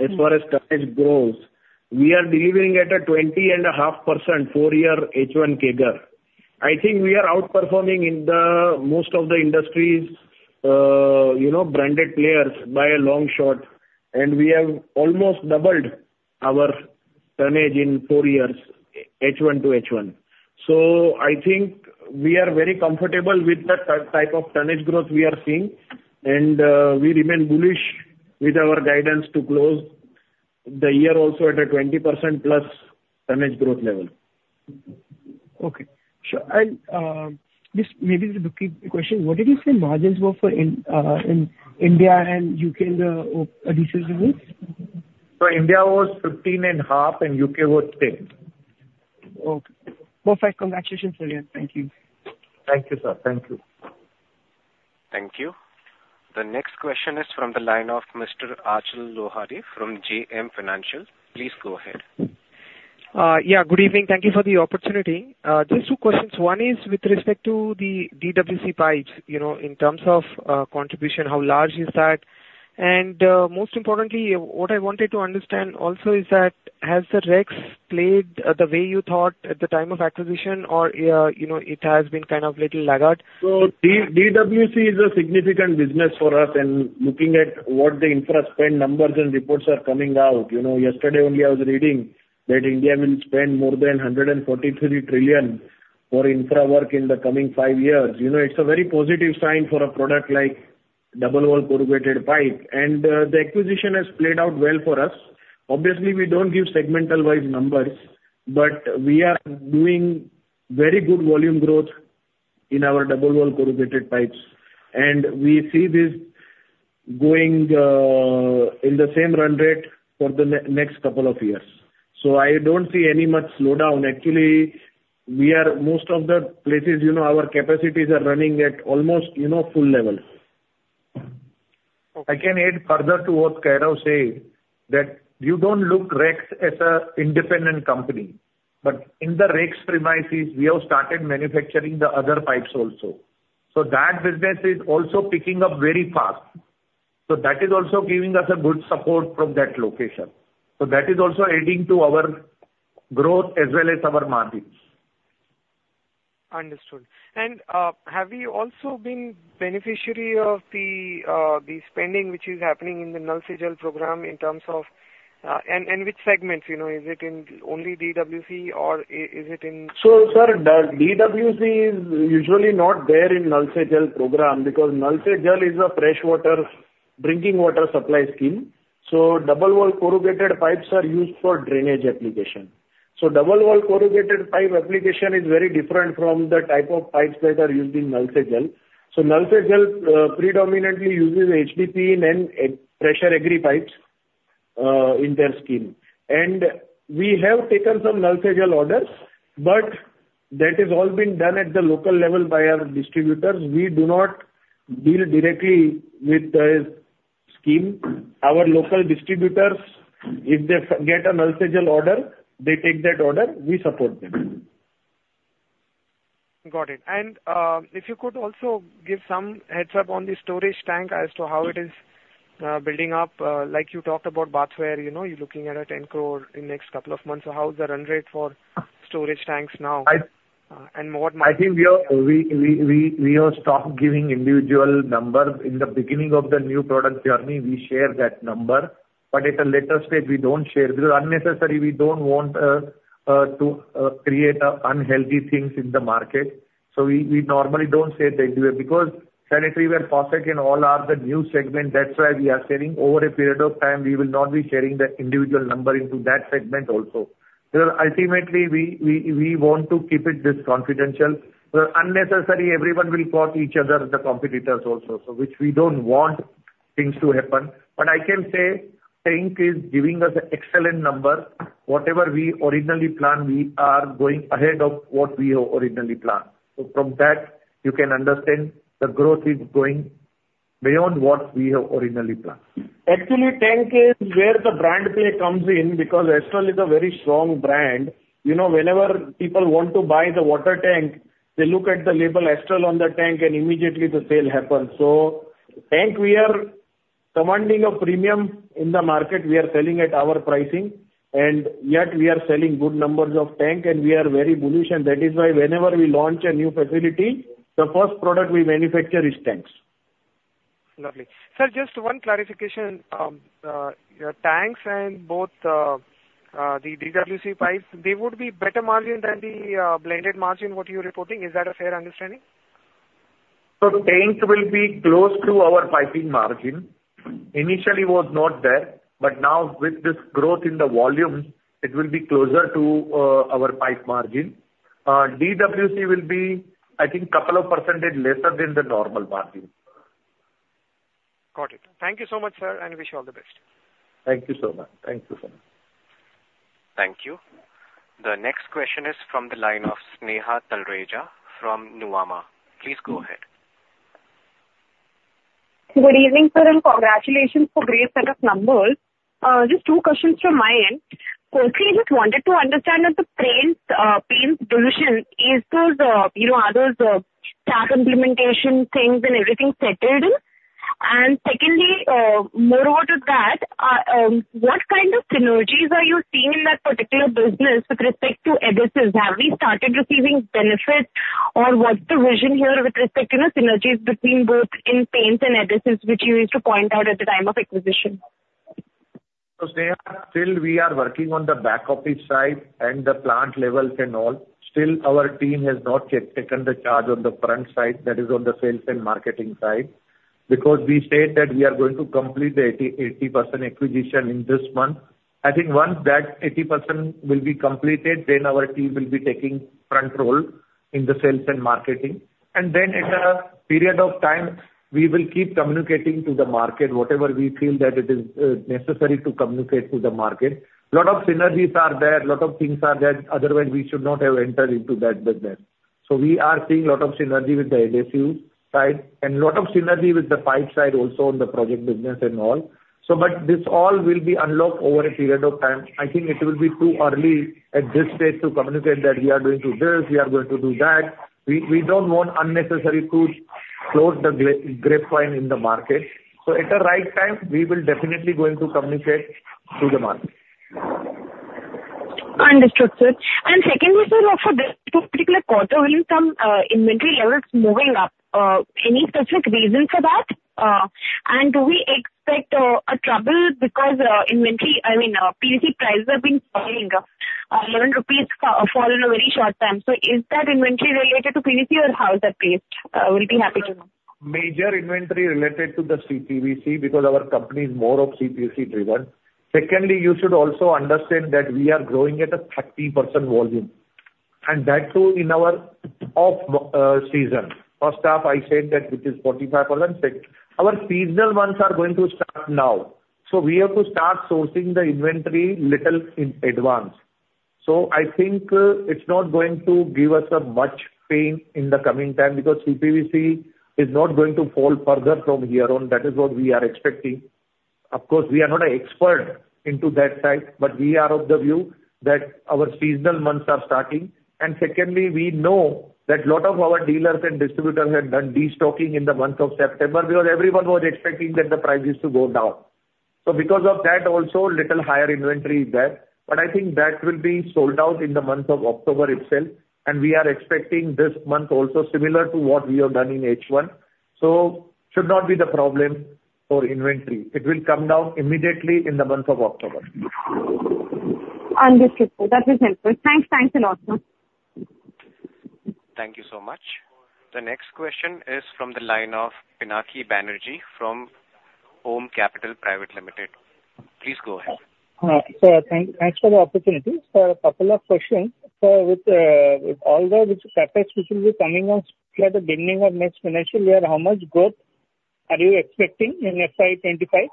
as far as tonnage grows, we are delivering at a 20.5%, four-year H1 CAGR. I think we are outperforming in the most of the industries, you know, branded players by a long shot, and we have almost doubled our tonnage in four years, H1 to H1. So I think we are very comfortable with the type of tonnage growth we are seeing, and we remain bullish with our guidance to close the year also at a 20%+ tonnage growth level. Okay. Sure. And, just maybe the key question, what did you say margins were for in, in India and U.K. in the adhesive business? India was 15.5, and U.K. was 10. Okay. Perfect. Congratulations again. Thank you. Thank you, sir. Thank you. Thank you. The next question is from the line of Mr. Achal Lohade from JM Financial. Please go ahead. Yeah, good evening. Thank you for the opportunity. Just two questions. One is with respect to the DWC pipes, you know, in terms of contribution, how large is that? And most importantly, what I wanted to understand also is that, has the Rex played the way you thought at the time of acquisition or, you know, it has been kind of little laggard? So, DWC is a significant business for us, and looking at what the infra spend numbers and reports are coming out. You know, yesterday only I was reading that India will spend more than 143 trillion for infra work in the coming five years. You know, it's a very positive sign for a product like double wall corrugated pipe, and the acquisition has played out well for us. Obviously, we don't give segmental wise numbers, but we are doing very good volume growth in our double wall corrugated pipes, and we see this going in the same run rate for the next couple of years. So I don't see any much slowdown. Actually, we are most of the places, you know, our capacities are running at almost, you know, full level. I can add further to what Kairav said, that you don't look at Rex as an independent company, but in the Rex premises, we have started manufacturing the other pipes also. So that business is also picking up very fast. So that is also giving us a good support from that location. So that is also adding to our growth as well as our margins. Understood. And, have you also been beneficiary of the, the spending, which is happening in the Nal Se Jal program in terms of... And which segments, you know, is it in only DWC or is it in- So, sir, the DWC is usually not there in Nal Se Jal program, because Nal Se Jal is a freshwater drinking water supply scheme, so double wall corrugated pipes are used for drainage application. So double wall corrugated pipe application is very different from the type of pipes that are used in Nal Se Jal. So Nal Se Jal predominantly uses HDPE and then pressure agri pipes in their scheme. And we have taken some Nal Se Jal orders, but that has all been done at the local level by our distributors. We do not deal directly with the scheme. Our local distributors, if they get a Nal Se Jal order, they take that order, we support them. Got it. And, if you could also give some heads-up on the storage tank as to how it is, building up. Like you talked about bathware, you know, you're looking at 10 crore in the next couple of months. So how is the run rate for storage tanks now? And what- I think we have stopped giving individual numbers. In the beginning of the new product journey, we share that number, but at a later stage, we don't share. Because unnecessary, we don't want to create unhealthy things in the market. So we normally don't say that because sanitary ware, faucet and all are the new segment, that's why we are saying over a period of time, we will not be sharing the individual number into that segment also. Because ultimately, we want to keep it this confidential. So unnecessary, everyone will quote each other, the competitors also, so which we don't want things to happen. But I can say, tank is giving us excellent numbers. Whatever we originally planned, we are going ahead of what we have originally planned. So from that, you can understand the growth is going beyond what we have originally planned. Actually, tank is where the brand play comes in, because Astral is a very strong brand. You know, whenever people want to buy the water tank, they look at the label Astral on the tank and immediately the sale happens. So tank, we are commanding a premium in the market. We are selling at our pricing, and yet we are selling good numbers of tank and we are very bullish. And that is why whenever we launch a new facility, the first product we manufacture is tanks. Lovely. Sir, just one clarification. Your tanks and bath, the DWC pipes, they would be better margin than the blended margin what you're reporting. Is that a fair understanding? So tanks will be close to our piping margin. Initially, was not there, but now with this growth in the volume, it will be closer to our pipe margin. DWC will be, I think, couple of percentage lesser than the normal margin. Got it. Thank you so much, sir, and wish you all the best. Thank you so much. Thank you, sir. Thank you. The next question is from the line of Sneha Talreja from Nuvama. Please go ahead. Good evening, sir, and congratulations for great set of numbers. Just two questions from my end. Firstly, just wanted to understand that the paints, paints division is those, you know, are those, SAP implementation things and everything settled in? And secondly, moreover to that, what kind of synergies are you seeing in that particular business with respect to adhesives? Have we started receiving benefits, or what's the vision here with respect, you know, synergies between both in paints and adhesives, which you used to point out at the time of acquisition? So Sneha, still we are working on the back office side and the plant levels and all. Still, our team has not yet taken the charge on the front side, that is on the sales and marketing side. Because we said that we are going to complete the 80, 80% acquisition in this month. I think once that 80% will be completed, then our team will be taking front role in the sales and marketing. And then at a period of time, we will keep communicating to the market whatever we feel that it is necessary to communicate to the market. Lot of synergies are there, lot of things are there, otherwise we should not have entered into that business. So we are seeing lot of synergy with the adhesive side and lot of synergy with the pipe side also on the project business and all. So but this all will be unlocked over a period of time. I think it will be too early at this stage to communicate that we are going to do this, we are going to do that. We don't want unnecessary to close the grapevine in the market. So at the right time, we will definitely going to communicate to the market. Understood, sir. Secondly, sir, for this particular quarter, when you come, inventory levels moving up, any specific reason for that? Do we expect a trouble because inventory, I mean, PVC prices have been falling 11 rupees in a very short time? So is that inventory related to PVC or how is that placed? We'll be happy to know. Major inventory related to the CPVC because our company is more of CPVC driven. Secondly, you should also understand that we are growing at a 30% volume, and that too in our off season. First half, I said that which is 45%. Our seasonal months are going to start now, so we have to start sourcing the inventory little in advance. So I think, it's not going to give us a much pain in the coming time, because CPVC is not going to fall further from here on. That is what we are expecting. Of course, we are not an expert into that side, but we are of the view that our seasonal months are starting. And secondly, we know that a lot of our dealers and distributors have done destocking in the month of September, because everyone was expecting that the prices to go down. So because of that, also, little higher inventory is there, but I think that will be sold out in the month of October itself, and we are expecting this month also similar to what we have done in H1. So should not be the problem for inventory. It will come down immediately in the month of October. Understood, sir. That is helpful. Thanks. Thanks a lot, sir. ... Thank you so much. The next question is from the line of Pinaki Banerjee from Aum Capital Private Limited. Please go ahead. Sir, thanks for the opportunity. So a couple of questions. So with all the CapEx which will be coming on at the beginning of next financial year, how much growth are you expecting in FY 25?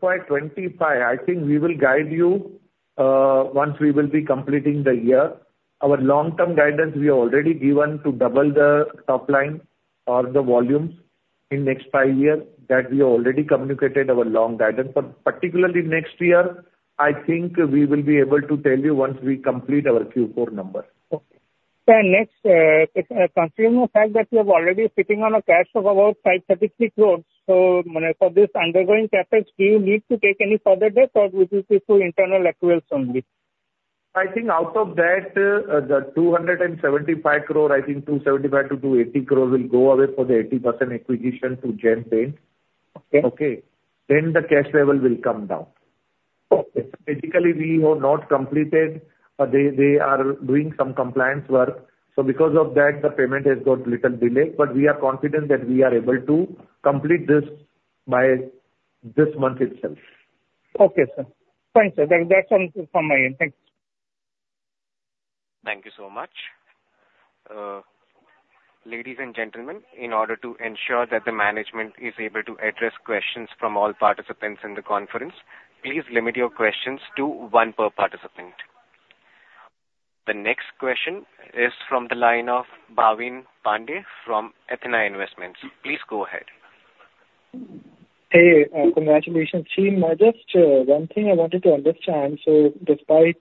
FY 25, I think we will guide you once we will be completing the year. Our long-term guidance, we have already given to double the top line or the volumes in next 5 years, that we already communicated our long guidance. But particularly next year, I think we will be able to tell you once we complete our Q4 numbers. Okay. Sir, next, considering the fact that you are already sitting on a cash of about 533 crore, so for this undergoing CapEx, do you need to take any further debt, or this is through internal accruals only? I think out of that, the 275 crore, I think 275 crore-280 crore will go away for the 80% acquisition to Gem Paints. Okay. Okay? Then the cash level will come down. Okay. Basically, we have not completed, they, they are doing some compliance work, so because of that, the payment has got little delay, but we are confident that we are able to complete this by this month itself. Okay, sir. Thanks, sir. That's all from my end. Thanks. Thank you so much. Ladies and gentlemen, in order to ensure that the management is able to address questions from all participants in the conference, please limit your questions to one per participant. The next question is from the line of Bhavin Pandey from Athena Investments. Please go ahead. Hey, congratulations. See, just, one thing I wanted to understand: so despite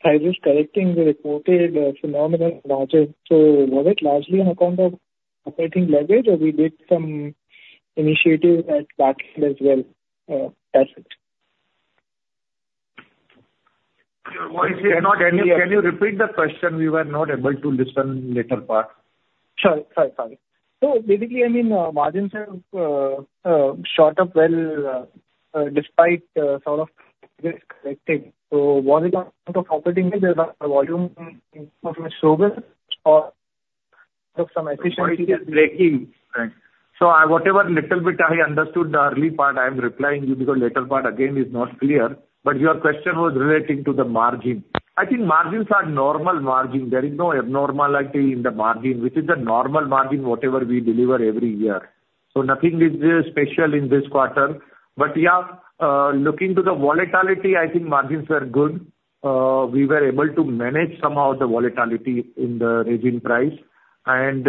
prices correcting, the reported phenomenal margins, so was it largely on account of operating leverage, or we did some initiatives at back end as well? That's it. Your voice is not clear. Can you, can you repeat the question? We were not able to listen latter part. Sure. Sorry, sorry. So basically, I mean, margins have shot up well, despite sort of risk correcting. So was it on account of operating margins, or the volume improvement so good, or some efficiency? So I whatever little bit I understood the early part, I am replying to you because later part again is not clear. But your question was relating to the margin. I think margins are normal margin. There is no abnormality in the margin, which is the normal margin, whatever we deliver every year. So nothing is special in this quarter. But yeah, looking to the volatility, I think margins were good. We were able to manage somehow the volatility in the resin price. And,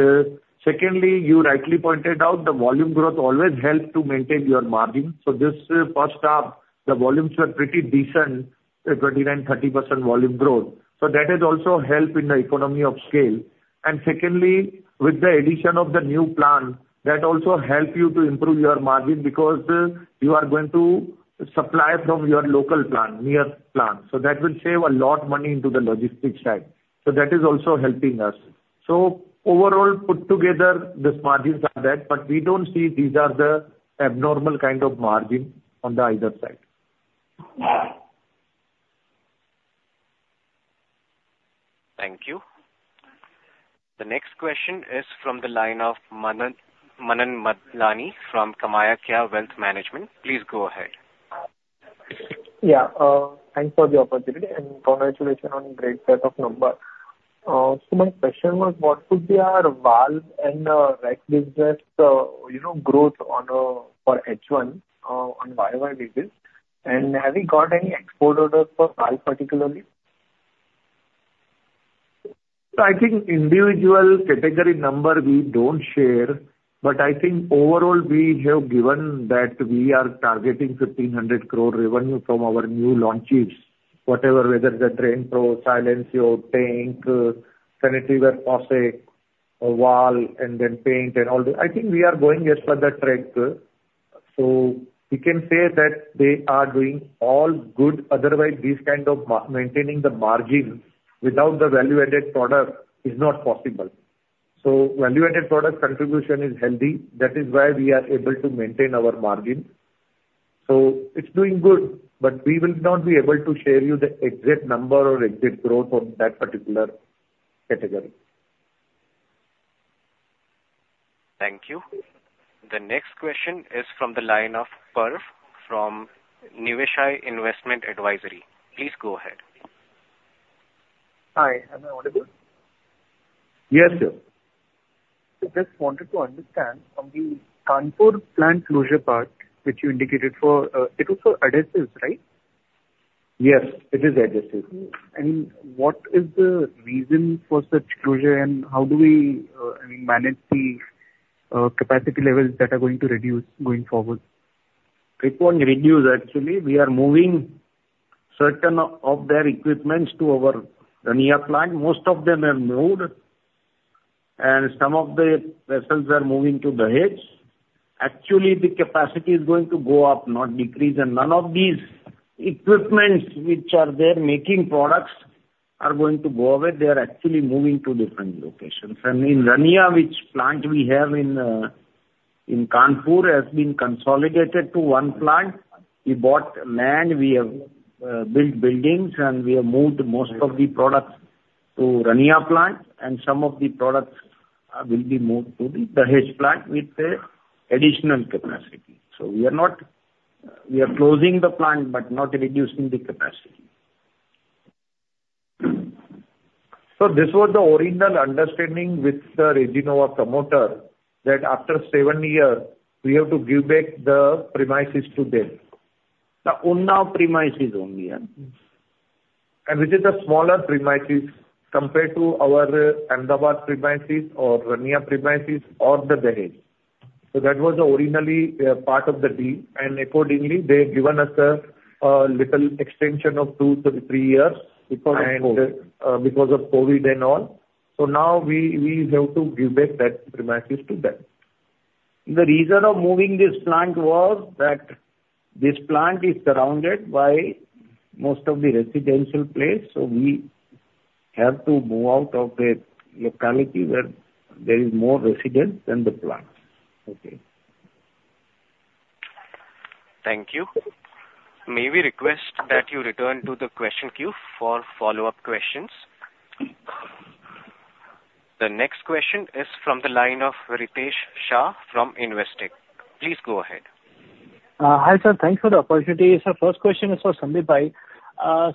secondly, you rightly pointed out the volume growth always helps to maintain your margin. So this first half, the volumes were pretty decent, 29%-30% volume growth. So that has also helped in the economy of scale. And secondly, with the addition of the new plant, that also help you to improve your margin because you are going to supply from your local plant, near plant, so that will save a lot money into the logistics side. So that is also helping us. So overall, put together, these margins are that, but we don't see these are the abnormal kind of margin on the either side. Thank you. The next question is from the line of Manan, Manan Madlani from Kamakhya Wealth Management. Please go ahead. Yeah, thanks for the opportunity, and congratulations on great set of numbers. So my question was, what could be our valve and rec business, you know, growth on for H1 on YOY basis? And have you got any export orders for valve particularly? So I think individual category number we don't share, but I think overall we have given that we are targeting 1,500 crore revenue from our new launches, whatever, whether it's the DrainPro, Silencio, paint, sanitaryware faucet or valve, and then paint and all that. I think we are going as per the track, so we can say that they are doing all good, otherwise these kind of maintaining the margin without the value-added product is not possible. So value-added product contribution is healthy. That is why we are able to maintain our margin. So it's doing good, but we will not be able to share you the exact number or exact growth on that particular category. Thank you. The next question is from the line of Parv from Nivesha Investment Advisory. Please go ahead. Hi, am I audible? Yes, sir. I just wanted to understand from the Kanpur plant closure part, which you indicated for, it was for adhesives, right? Yes, it is adhesives. What is the reason for such closure, and how do we, I mean, manage the capacity levels that are going to reduce going forward? It won't reduce. Actually, we are moving certain of their equipments to our Rania plant. Most of them are moved, and some of the vessels are moving to Dahej. Actually, the capacity is going to go up, not decrease, and none of these equipments which are there making products are going to go away. They are actually moving to different locations. In Rania, which plant we have in Kanpur has been consolidated to one plant. We bought land, we have built buildings, and we have moved most of the products to Rania plant, and some of the products will be moved to the Dahej plant with additional capacity. So we are not. We are closing the plant, but not reducing the capacity. So this was the original understanding with the Resinova promoter, that after 7 years, we have to give back the premises to them. The Unnao premises only. And which is the smaller premises compared to our Ahmedabad premises or Rania premises or Dahej. So that was originally part of the deal, and accordingly, they've given us a little extension of 2-3 years because of COVID, because of COVID and all. So now we have to give back that premises to them. The reason for moving this plant was that this plant is surrounded by most of the residential place, so we have to move out of a locality where there is more residents than the plants. Okay. Thank you. May we request that you return to the question queue for follow-up questions? The next question is from the line of Ritesh Shah from Investec. Please go ahead. Hi, sir. Thanks for the opportunity. Sir, first question is for Sandeep Bhai.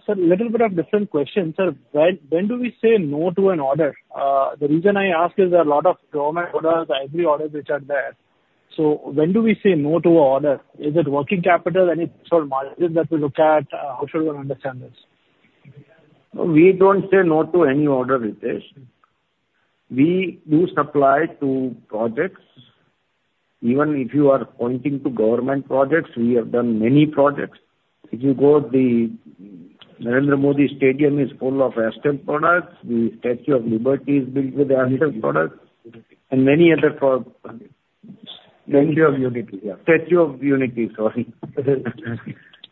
So little bit of different question, sir. When do we say no to an order? The reason I ask is there are a lot of government orders, every order which are there. So when do we say no to an order? Is it working capital, any sort of margins that we look at? How should one understand this? We don't say no to any order, Ritesh. We do supply to projects. Even if you are pointing to government projects, we have done many projects. If you go, the Narendra Modi Stadium is full of Astral products, the Statue of Liberty is built with Astral products, and many other Statue of Unity, yeah. Statue of Unity, sorry.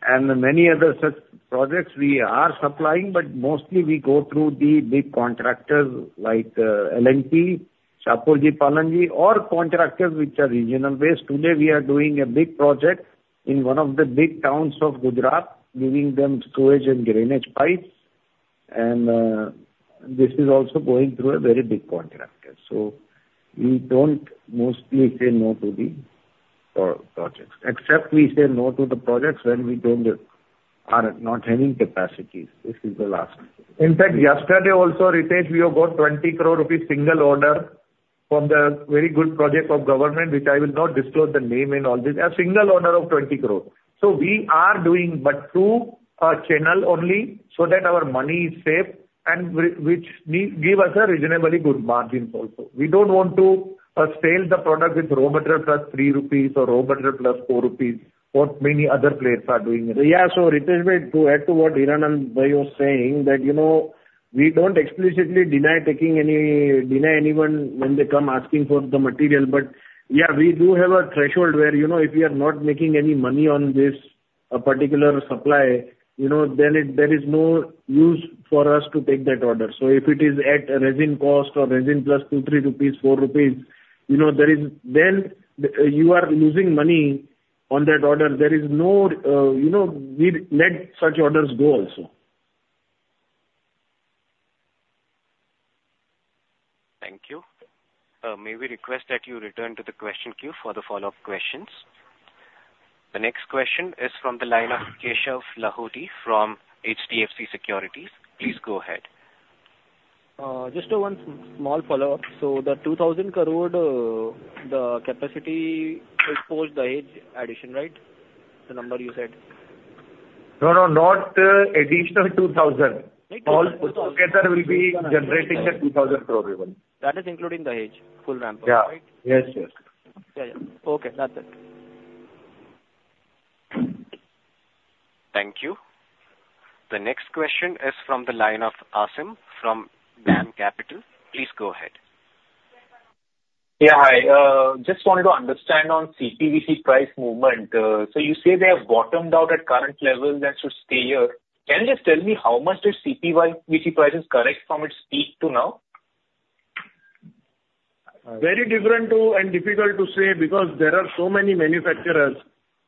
And many other such projects we are supplying, but mostly we go through the big contractors like L&T, Shapoorji Pallonji, or contractors which are regional based. Today, we are doing a big project in one of the big towns of Gujarat, giving them sewage and drainage pipes, and this is also going through a very big contractor. So we don't mostly say no to the projects, except we say no to the projects when we are not having capacities. This is the last. In fact, yesterday also, Ritesh, we got 20 crore rupees single order from the very good project of government, which I will not disclose the name and all this. A single order of 20 crore. So we are doing, but through a channel only, so that our money is safe and which give us a reasonably good margins also. We don't want to sell the product with raw material plus 3 rupees or raw material plus 4 rupees, what many other players are doing. Yeah, so Ritesh, to add to what Hiranand Bhai was saying, that, you know, we don't explicitly deny taking any... deny anyone when they come asking for the material. But yeah, we do have a threshold where, you know, if we are not making any money on this, a particular supply, you know, then it, there is no use for us to take that order. So if it is at a resin cost or resin plus 2, 3 rupees, 4 rupees, you know, there is, then you are losing money on that order. There is no, you know, we let such orders go also. Thank you. May we request that you return to the question queue for the follow-up questions. The next question is from the line of Keshav Lahoti from HDFC Securities. Please go ahead. Just one small follow-up. So the 2,000 crore, the capacity is post Dahej addition, right? The number you said. No, no, not additional 2000. No, two- Altogether will be generating a 2,000 crore revenue. That is including Dahej, full ramp up, right? Yeah. Yes, yes. Yeah, yeah. Okay, that's it. Thank you. The next question is from the line of Asim from DAM Capital. Please go ahead. Yeah, hi. Just wanted to understand on CPVC price movement. So you say they have bottomed out at current level, that should stay here. Can you just tell me, how much the CPVC price is down from its peak to now? Very different to and difficult to say, because there are so many manufacturers,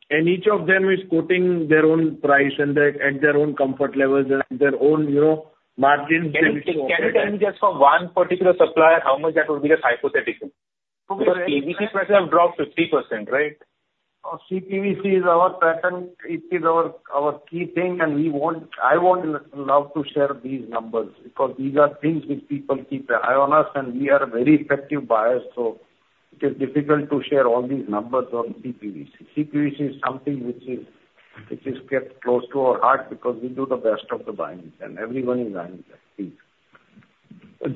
and each of them is quoting their own price and their, and their own comfort levels, their own, you know, margins- Can you tell me just for one particular supplier, how much that would be, just hypothetically? CPVC price have dropped 50%, right? CPVC is our pattern. It is our key thing, and we won't. I won't love to share these numbers, because these are things which people keep their eye on us, and we are very effective buyers, so it is difficult to share all these numbers on CPVC. CPVC is something which is kept close to our heart because we do the best of the buying, and everyone is buying that piece.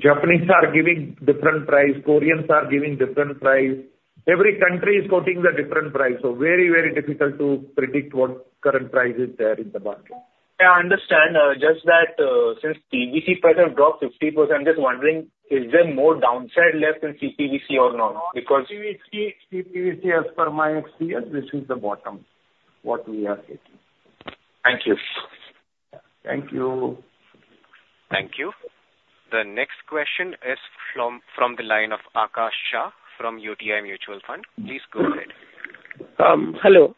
Japanese are giving different price. Koreans are giving different price. Every country is quoting a different price, so very, very difficult to predict what current price is there in the market. Yeah, I understand. Just that, since PVC price have dropped 50%, I'm just wondering, is there more downside left in CPVC or not? Because- CPVC, CPVC. As per my experience, this is the bottom, what we are getting. Thank you.... Thank you. Thank you. The next question is from, from the line of Akash Shah from UTI Mutual Fund. Please go ahead. Um, hello.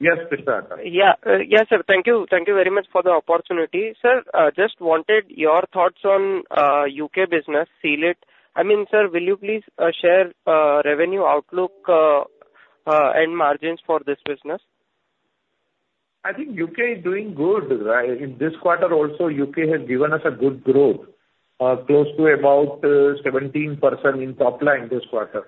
Yes, Akash. Yeah. Yes, sir. Thank you, thank you very much for the opportunity. Sir, just wanted your thoughts on UK business, Bond It. I mean, sir, will you please share revenue outlook and margins for this business? I think U.K. is doing good, right. In this quarter also, U.K. has given us a good growth, close to about, 17% in top line this quarter.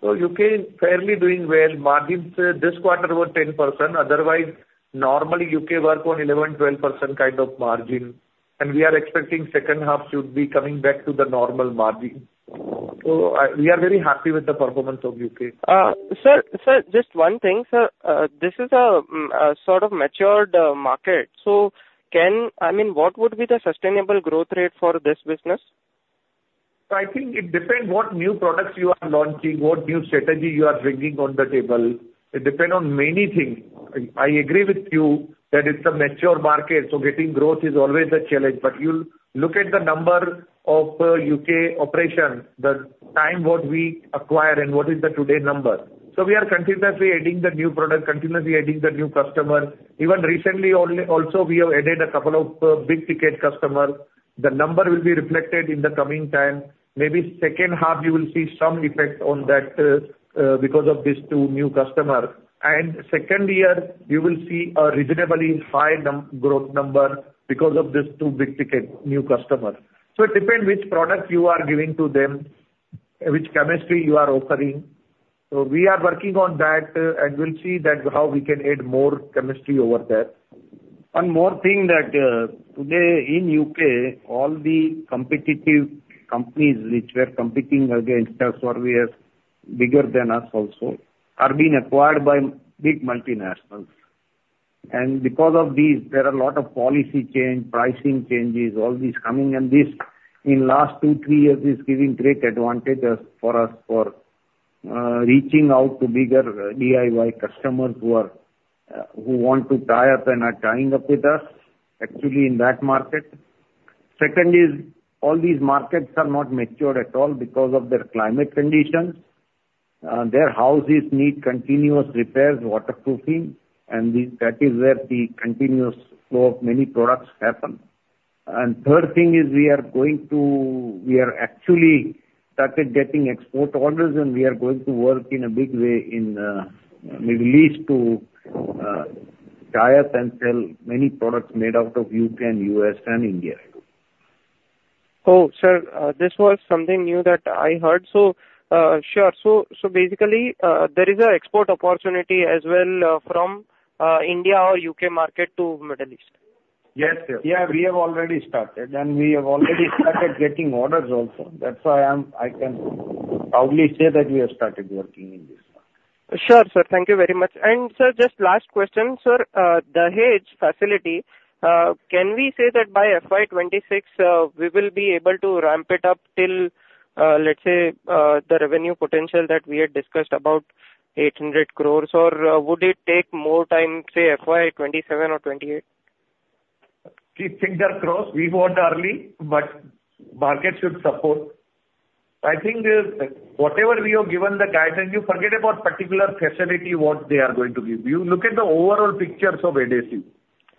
So U.K. is fairly doing well. Margins, this quarter were 10%, otherwise, normally U.K. work on 11%-12% kind of margin, and we are expecting second half should be coming back to the normal margin. So, we are very happy with the performance of U.K. Sir, just one thing, sir. This is a sort of mature market, so, I mean, what would be the sustainable growth rate for this business? So I think it depends what new products you are launching, what new strategy you are bringing on the table. It depend on many things. I agree with you that it's a mature market, so getting growth is always a challenge. But you'll look at the number of UK operations, the time what we acquired and what is the today number. So we are continuously adding the new product, continuously adding the new customer. Even recently, only also we have added a couple of big-ticket customer. The number will be reflected in the coming time. Maybe second half, you will see some effect on that, because of these two new customer. And second year, you will see a reasonably high growth number because of these two big-ticket new customers. It depends which product you are giving to them, which chemistry you are offering. We are working on that, and we'll see that how we can add more chemistry over there. One more thing that, today in U.K., all the competitive companies which were competing against us, or were bigger than us also, are being acquired by big multinationals. And because of this, there are a lot of policy changes, pricing changes, all these coming, and this, in last 2-3 years, is giving great advantage as for us for, reaching out to bigger DIY customers who are, who want to tie up and are tying up with us, actually in that market. Second is, all these markets are not mature at all because of their climate conditions. Their houses need continuous repairs, waterproofing, and this, that is where the continuous flow of many products happen. Third thing is we are actually started getting export orders, and we are going to work in a big way in Middle East to tie up and sell many products made out of U.K. and U.S. and India. Oh, sir, this was something new that I heard. So, sure. So, so basically, there is a export opportunity as well, from, India or U.K. market to Middle East? Yes, sir. Yeah, we have already started, and we have already started getting orders also. That's why I can proudly say that we have started working in this one. Sure, sir. Thank you very much. Sir, just last question. Sir, the Dahej facility, can we say that by FY 2026, we will be able to ramp it up till, let's say, the revenue potential that we had discussed about 800 crore, or would it take more time, say FY 2027 or 2028? We think that close. We want early, but market should support. I think, whatever we have given the guidance, you forget about particular facility, what they are going to give you. Look at the overall pictures of adhesive.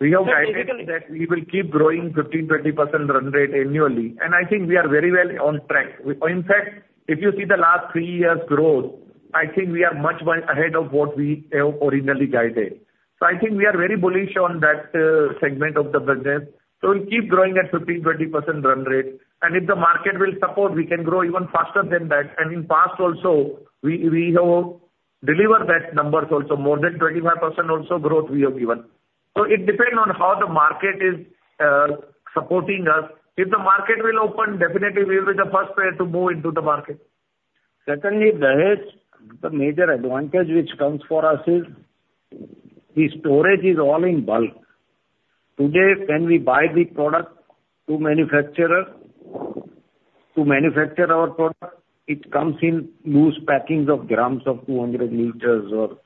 Yeah, basically- We have guided that we will keep growing 15%-20% run rate annually, and I think we are very well on track. In fact, if you see the last three years' growth, I think we are much, much ahead of what we originally guided. So I think we are very bullish on that segment of the business. So we'll keep growing at 15%-20% run rate, and if the market will support, we can grow even faster than that. And in past also, we have delivered that numbers also, more than 25% also growth we have given. So it depend on how the market is supporting us. If the market will open, definitely we'll be the first player to move into the market. Secondly, Dahej, the major advantage which comes for us is the storage is all in bulk. Today, when we buy the product to manufacturer, to manufacture our product, it comes in loose packings of grams, of 200 liters or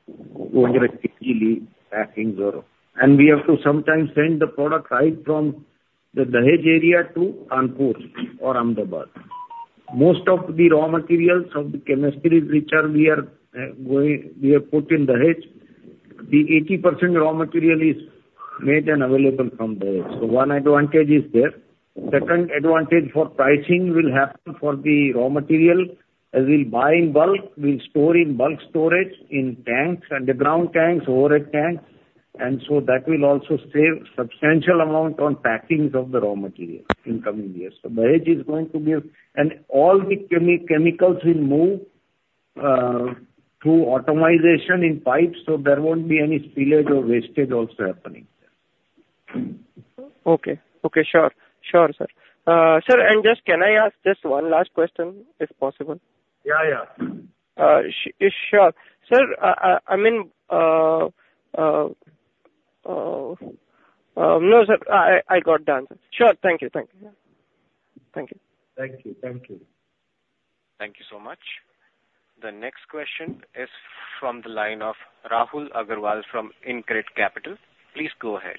200 kg packings or. And we have to sometimes send the product right from the Dahej area to Kanpur or Ahmedabad. Most of the raw materials of the chemistries which we are going, we have put in Dahej, the 80% raw material is made and available from Dahej. So one advantage is there. Second advantage for pricing will happen for the raw material. As we'll buy in bulk, we'll store in bulk storage, in tanks, underground tanks, overhead tanks, and so that will also save substantial amount on packings of the raw material in coming years. So Dahej is going to be a... All the chemicals will move through automation in pipes, so there won't be any spillage or wastage also happening. Okay. Okay, sure. Sure, sir. Sir, and just, can I ask just one last question, if possible? Yeah, yeah. Sure. Sir, I mean... No, sir, I got done, sir. Sure. Thank you. Thank you. Thank you. Thank you. Thank you.... Thank you so much. The next question is from the line of Rahul Agarwal from InCred Capital. Please go ahead.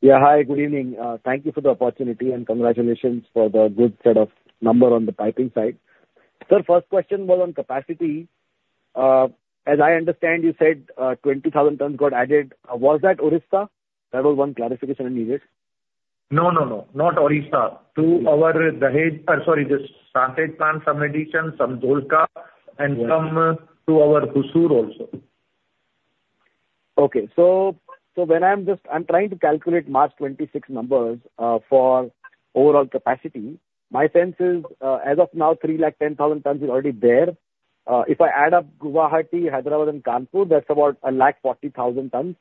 Yeah. Hi, good evening. Thank you for the opportunity, and congratulations for the good set of number on the piping side. Sir, first question was on capacity. As I understand, you said 20,000 tons got added. Was that Orissa? That was one clarification I needed. No, no, no, not Odisha. To our Dahej, sorry, this Santej plant, some addition, some Dholka, and some to our Hosur also. Okay. So when I'm just trying to calculate March 2026 numbers for overall capacity. My sense is, as of now, 310,000 tons is already there. If I add up Guwahati, Hyderabad and Kanpur, that's about 140,000 tons,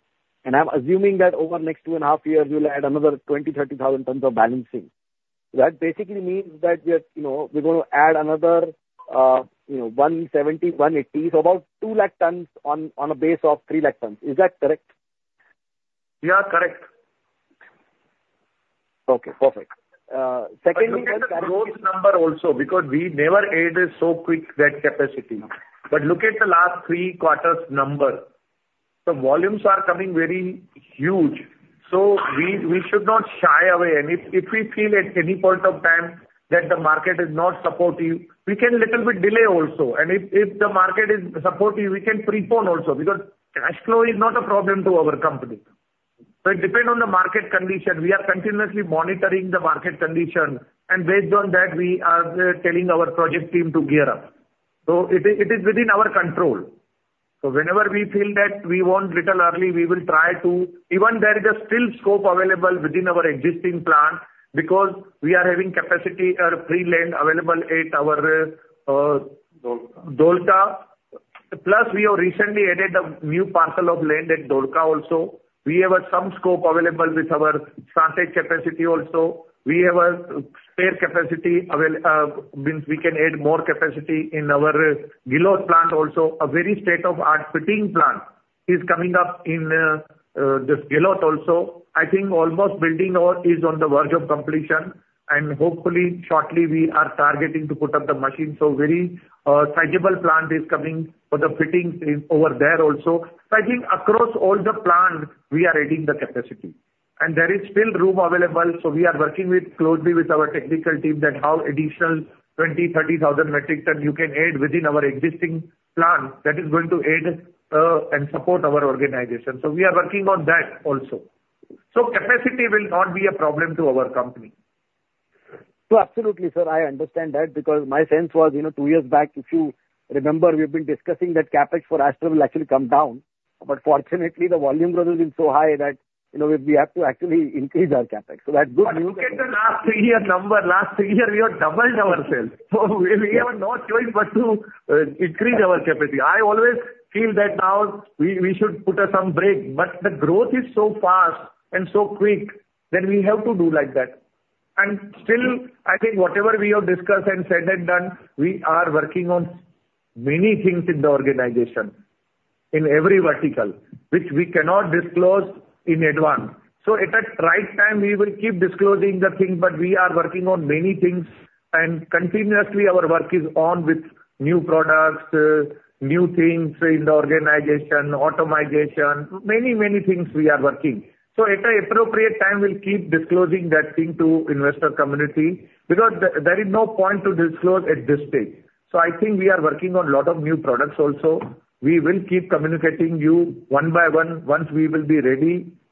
and I'm assuming that over the next 2.5 years, you'll add another 20,000-30,000 tons of balancing. That basically means that we are, you know, we're going to add another, you know, 170,000-180,000, so about 200,000 tons on a base of 300,000 tons. Is that correct? Yeah. Correct. Okay, perfect. Secondly, just- Look at the growth number also, because we never added so quick that capacity. But look at the last three quarters number. The volumes are coming very huge, so we, we should not shy away, and if, if we feel at any point of time that the market is not supportive, we can little bit delay also, and if, if the market is supportive, we can prepone also, because cash flow is not a problem to our company. So it depend on the market condition. We are continuously monitoring the market condition, and based on that, we are telling our project team to gear up. So it is, it is within our control. So whenever we feel that we want little early, we will try to... Even there is still scope available within our existing plant, because we are having capacity, free land available at our, Dholka. Dholka. Plus, we have recently added a new parcel of land at Dholka also. We have some scope available with our Santej capacity also. We have a spare capacity available, means we can add more capacity in our Guwahati plant also. A very state-of-the-art fitting plant is coming up in this Guwahati also. I think almost all the building is on the verge of completion, and hopefully shortly we are targeting to put up the machine. So very sizable plant is coming for the fitting in over there also. So I think across all the plants, we are adding the capacity, and there is still room available, so we are working closely with our technical team, that how additional 20,000-30,000 metric tons you can add within our existing plant that is going to add and support our organization. We are working on that also. Capacity will not be a problem to our company. So absolutely, sir, I understand that, because my sense was, you know, two years back, if you remember, we've been discussing that CapEx for Astral will actually come down. But fortunately, the volume growth has been so high that, you know, we have to actually increase our CapEx. So that's good news. But look at the last three-year number. Last three years, we have doubled our sales. So we have no choice but to increase our capacity. I always feel that now we should put some brake, but the growth is so fast and so quick that we have to do like that. And still, I think whatever we have discussed and said and done, we are working on many things in the organization, in every vertical, which we cannot disclose in advance. So at a right time, we will keep disclosing the thing, but we are working on many things, and continuously our work is on with new products, new things in the organization, automation, many, many things we are working. So at an appropriate time, we'll keep disclosing that thing to investor community, because there is no point to disclose at this stage. So I think we are working on a lot of new products also. We will keep communicating you one by one, once we will be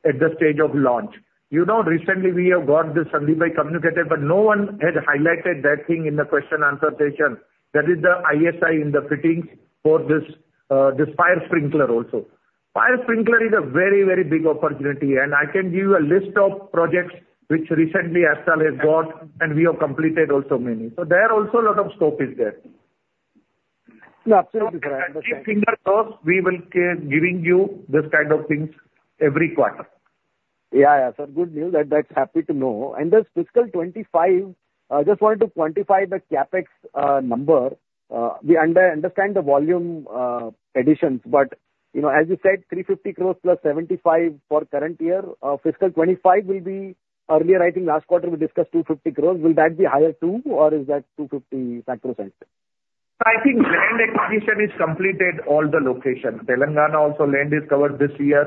ready at the stage of launch. You know, recently we have got this, Sandeep has communicated, but no one has highlighted that thing in the question answer session. That is the ISI in the fittings for this, this fire sprinkler also. Fire sprinkler is a very, very big opportunity, and I can give you a list of projects which recently Astral has got, and we have completed also many. So there are also a lot of scope is there. Yeah, absolutely. Keep fingers crossed, we will keep giving you this kind of things every quarter. Yeah, yeah. So good news, that, that's happy to know. And this fiscal 2025, just wanted to quantify the CapEx number. We understand the volume additions, but, you know, as you said, 350 crores plus 75 crores for current year. Fiscal 2025 will be earlier, I think last quarter we discussed 250 crores. Will that be higher, too, or is that 250, plus or minus? I think land acquisition is completed all the locations. Telangana also land is covered this year,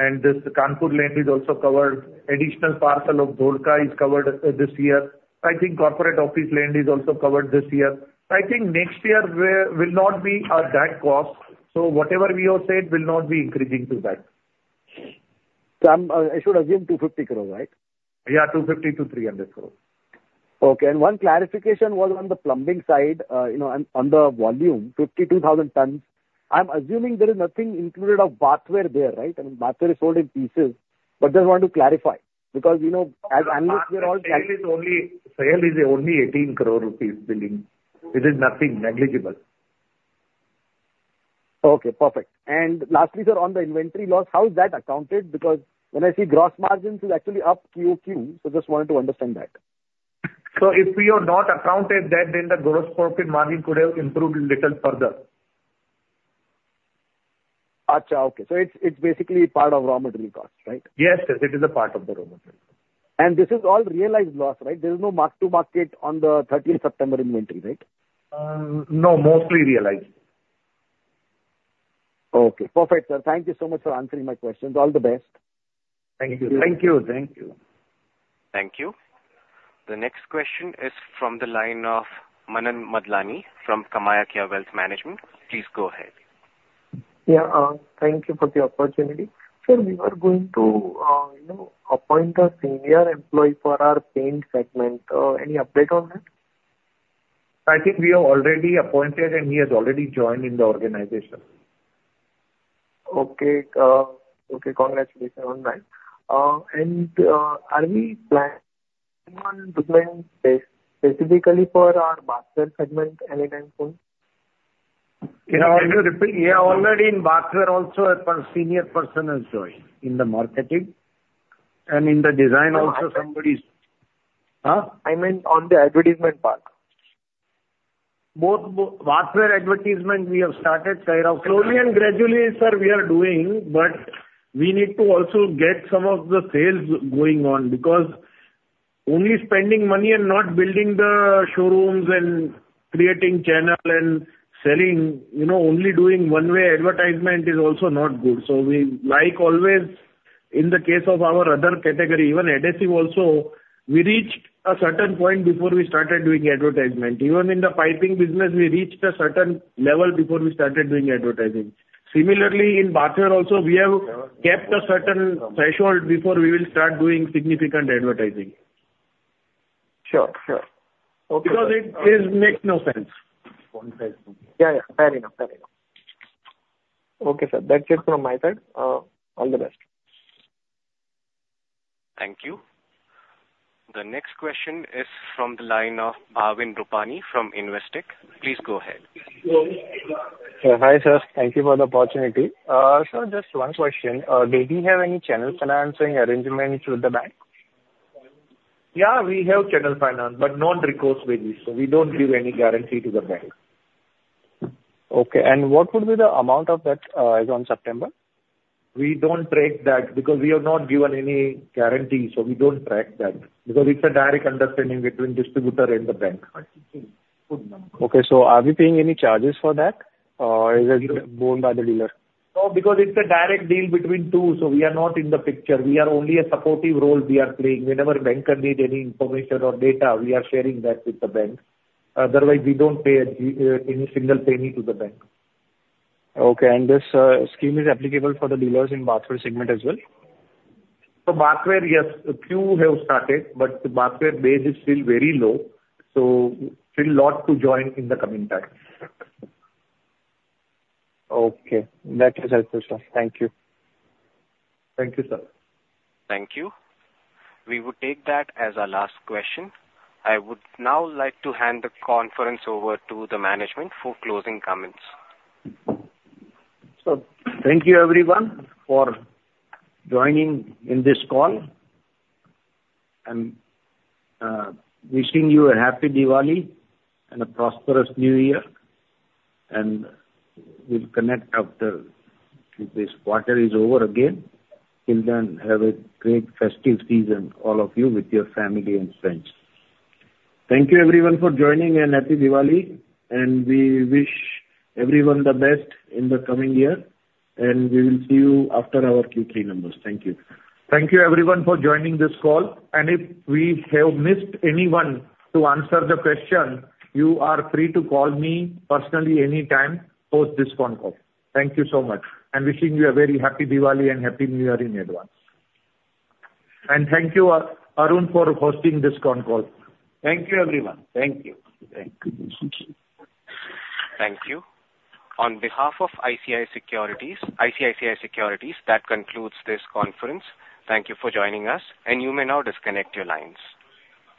and this Kanpur land is also covered. Additional parcel of Dholka is covered this year. I think corporate office land is also covered this year. I think next year there will not be that cost, so whatever we have said will not be increasing to that. So I'm, I should assume 250 crore, right? Yeah, 250 crore-300 crore. Okay. And one clarification was on the plumbing side, you know, on the volume, 52,000 tons. I'm assuming there is nothing included of bathware there, right? I mean, bathware is sold in pieces, but just want to clarify, because, you know, as analysts we are all- Sales is only, sales is only 18 crore rupees billing. It is nothing, negligible. Okay, perfect. And lastly, sir, on the inventory loss, how is that accounted? Because when I see gross margins is actually up QOQ, so just wanted to understand that. So if we have not accounted that, then the gross profit margin could have improved a little further... Acha, okay. So it's, it's basically part of raw material cost, right? Yes, sir, it is a part of the raw material. And this is all realized loss, right? There is no mark to market on the thirteenth September inventory, right? No, mostly realized. Okay, perfect, sir. Thank you so much for answering my questions. All the best. Thank you. Thank you. Thank you. Thank you. The next question is from the line of Manan Madlani from Kamakhya Wealth Management. Please go ahead. Yeah, thank you for the opportunity. Sir, we were going to, you know, appoint a senior employee for our paint segment. Any update on that? I think we have already appointed, and he has already joined in the organization. Okay. Okay, congratulations on that. And, are we planning on recruitment specifically for our bathroom segment any time soon? Yeah. Can you repeat? Yeah, already in bathroom also, a senior person has joined in the marketing and in the design also, somebody's- Uh. Huh? I meant on the advertisement part. Bathroom advertisement, we have started slowly and gradually, sir, we are doing, but we need to also get some of the sales going on. Because only spending money and not building the showrooms and creating channel and selling, you know, only doing one-way advertisement is also not good. So we, like always, in the case of our other category, even adhesive also, we reached a certain point before we started doing advertisement. Even in the piping business, we reached a certain level before we started doing advertising. Similarly, in bathroom also, we have kept a certain threshold before we will start doing significant advertising. Sure. Sure. Okay. Because it makes no sense. Yeah, yeah. Fair enough. Fair enough. Okay, sir, that's it from my side. All the best. Thank you. The next question is from the line of Bhavin Rupani from Investec. Please go ahead. Hi, sir. Thank you for the opportunity. Sir, just one question. Did we have any channel financing arrangements with the bank? Yeah, we have channel finance, but non-recourse basis, so we don't give any guarantee to the bank. Okay. And what would be the amount of that as on September? We don't track that because we have not given any guarantee, so we don't track that, because it's a direct understanding between distributor and the bank. Okay. Are we paying any charges for that, or is it borne by the dealer? No, because it's a direct deal between two, so we are not in the picture. We are only a supportive role we are playing. Whenever banker need any information or data, we are sharing that with the bank. Otherwise, we don't pay any single penny to the bank. Okay, and this scheme is applicable for the dealers in bathroom segment as well? For bathroom, yes. A few have started, but the bathroom base is still very low, so still lot to join in the coming time. Okay, that is helpful, sir. Thank you. Thank you, sir. Thank you. We would take that as our last question. I would now like to hand the conference over to the management for closing comments. So thank you, everyone, for joining in this call, and wishing you a happy Diwali and a prosperous new year, and we'll connect after this quarter is over again. Till then, have a great festive season, all of you, with your family and friends. Thank you everyone for joining and Happy Diwali, and we wish everyone the best in the coming year, and we will see you after our Q3 numbers. Thank you. Thank you everyone for joining this call, and if we have missed anyone to answer the question, you are free to call me personally anytime post this call. Thank you so much, and wishing you a very happy Diwali and Happy New Year in advance. And thank you, Arun, for hosting this call. Thank you, everyone. Thank you. Thank you. Thank you. On behalf of ICICI Securities, that concludes this conference. Thank you for joining us, and you may now disconnect your lines.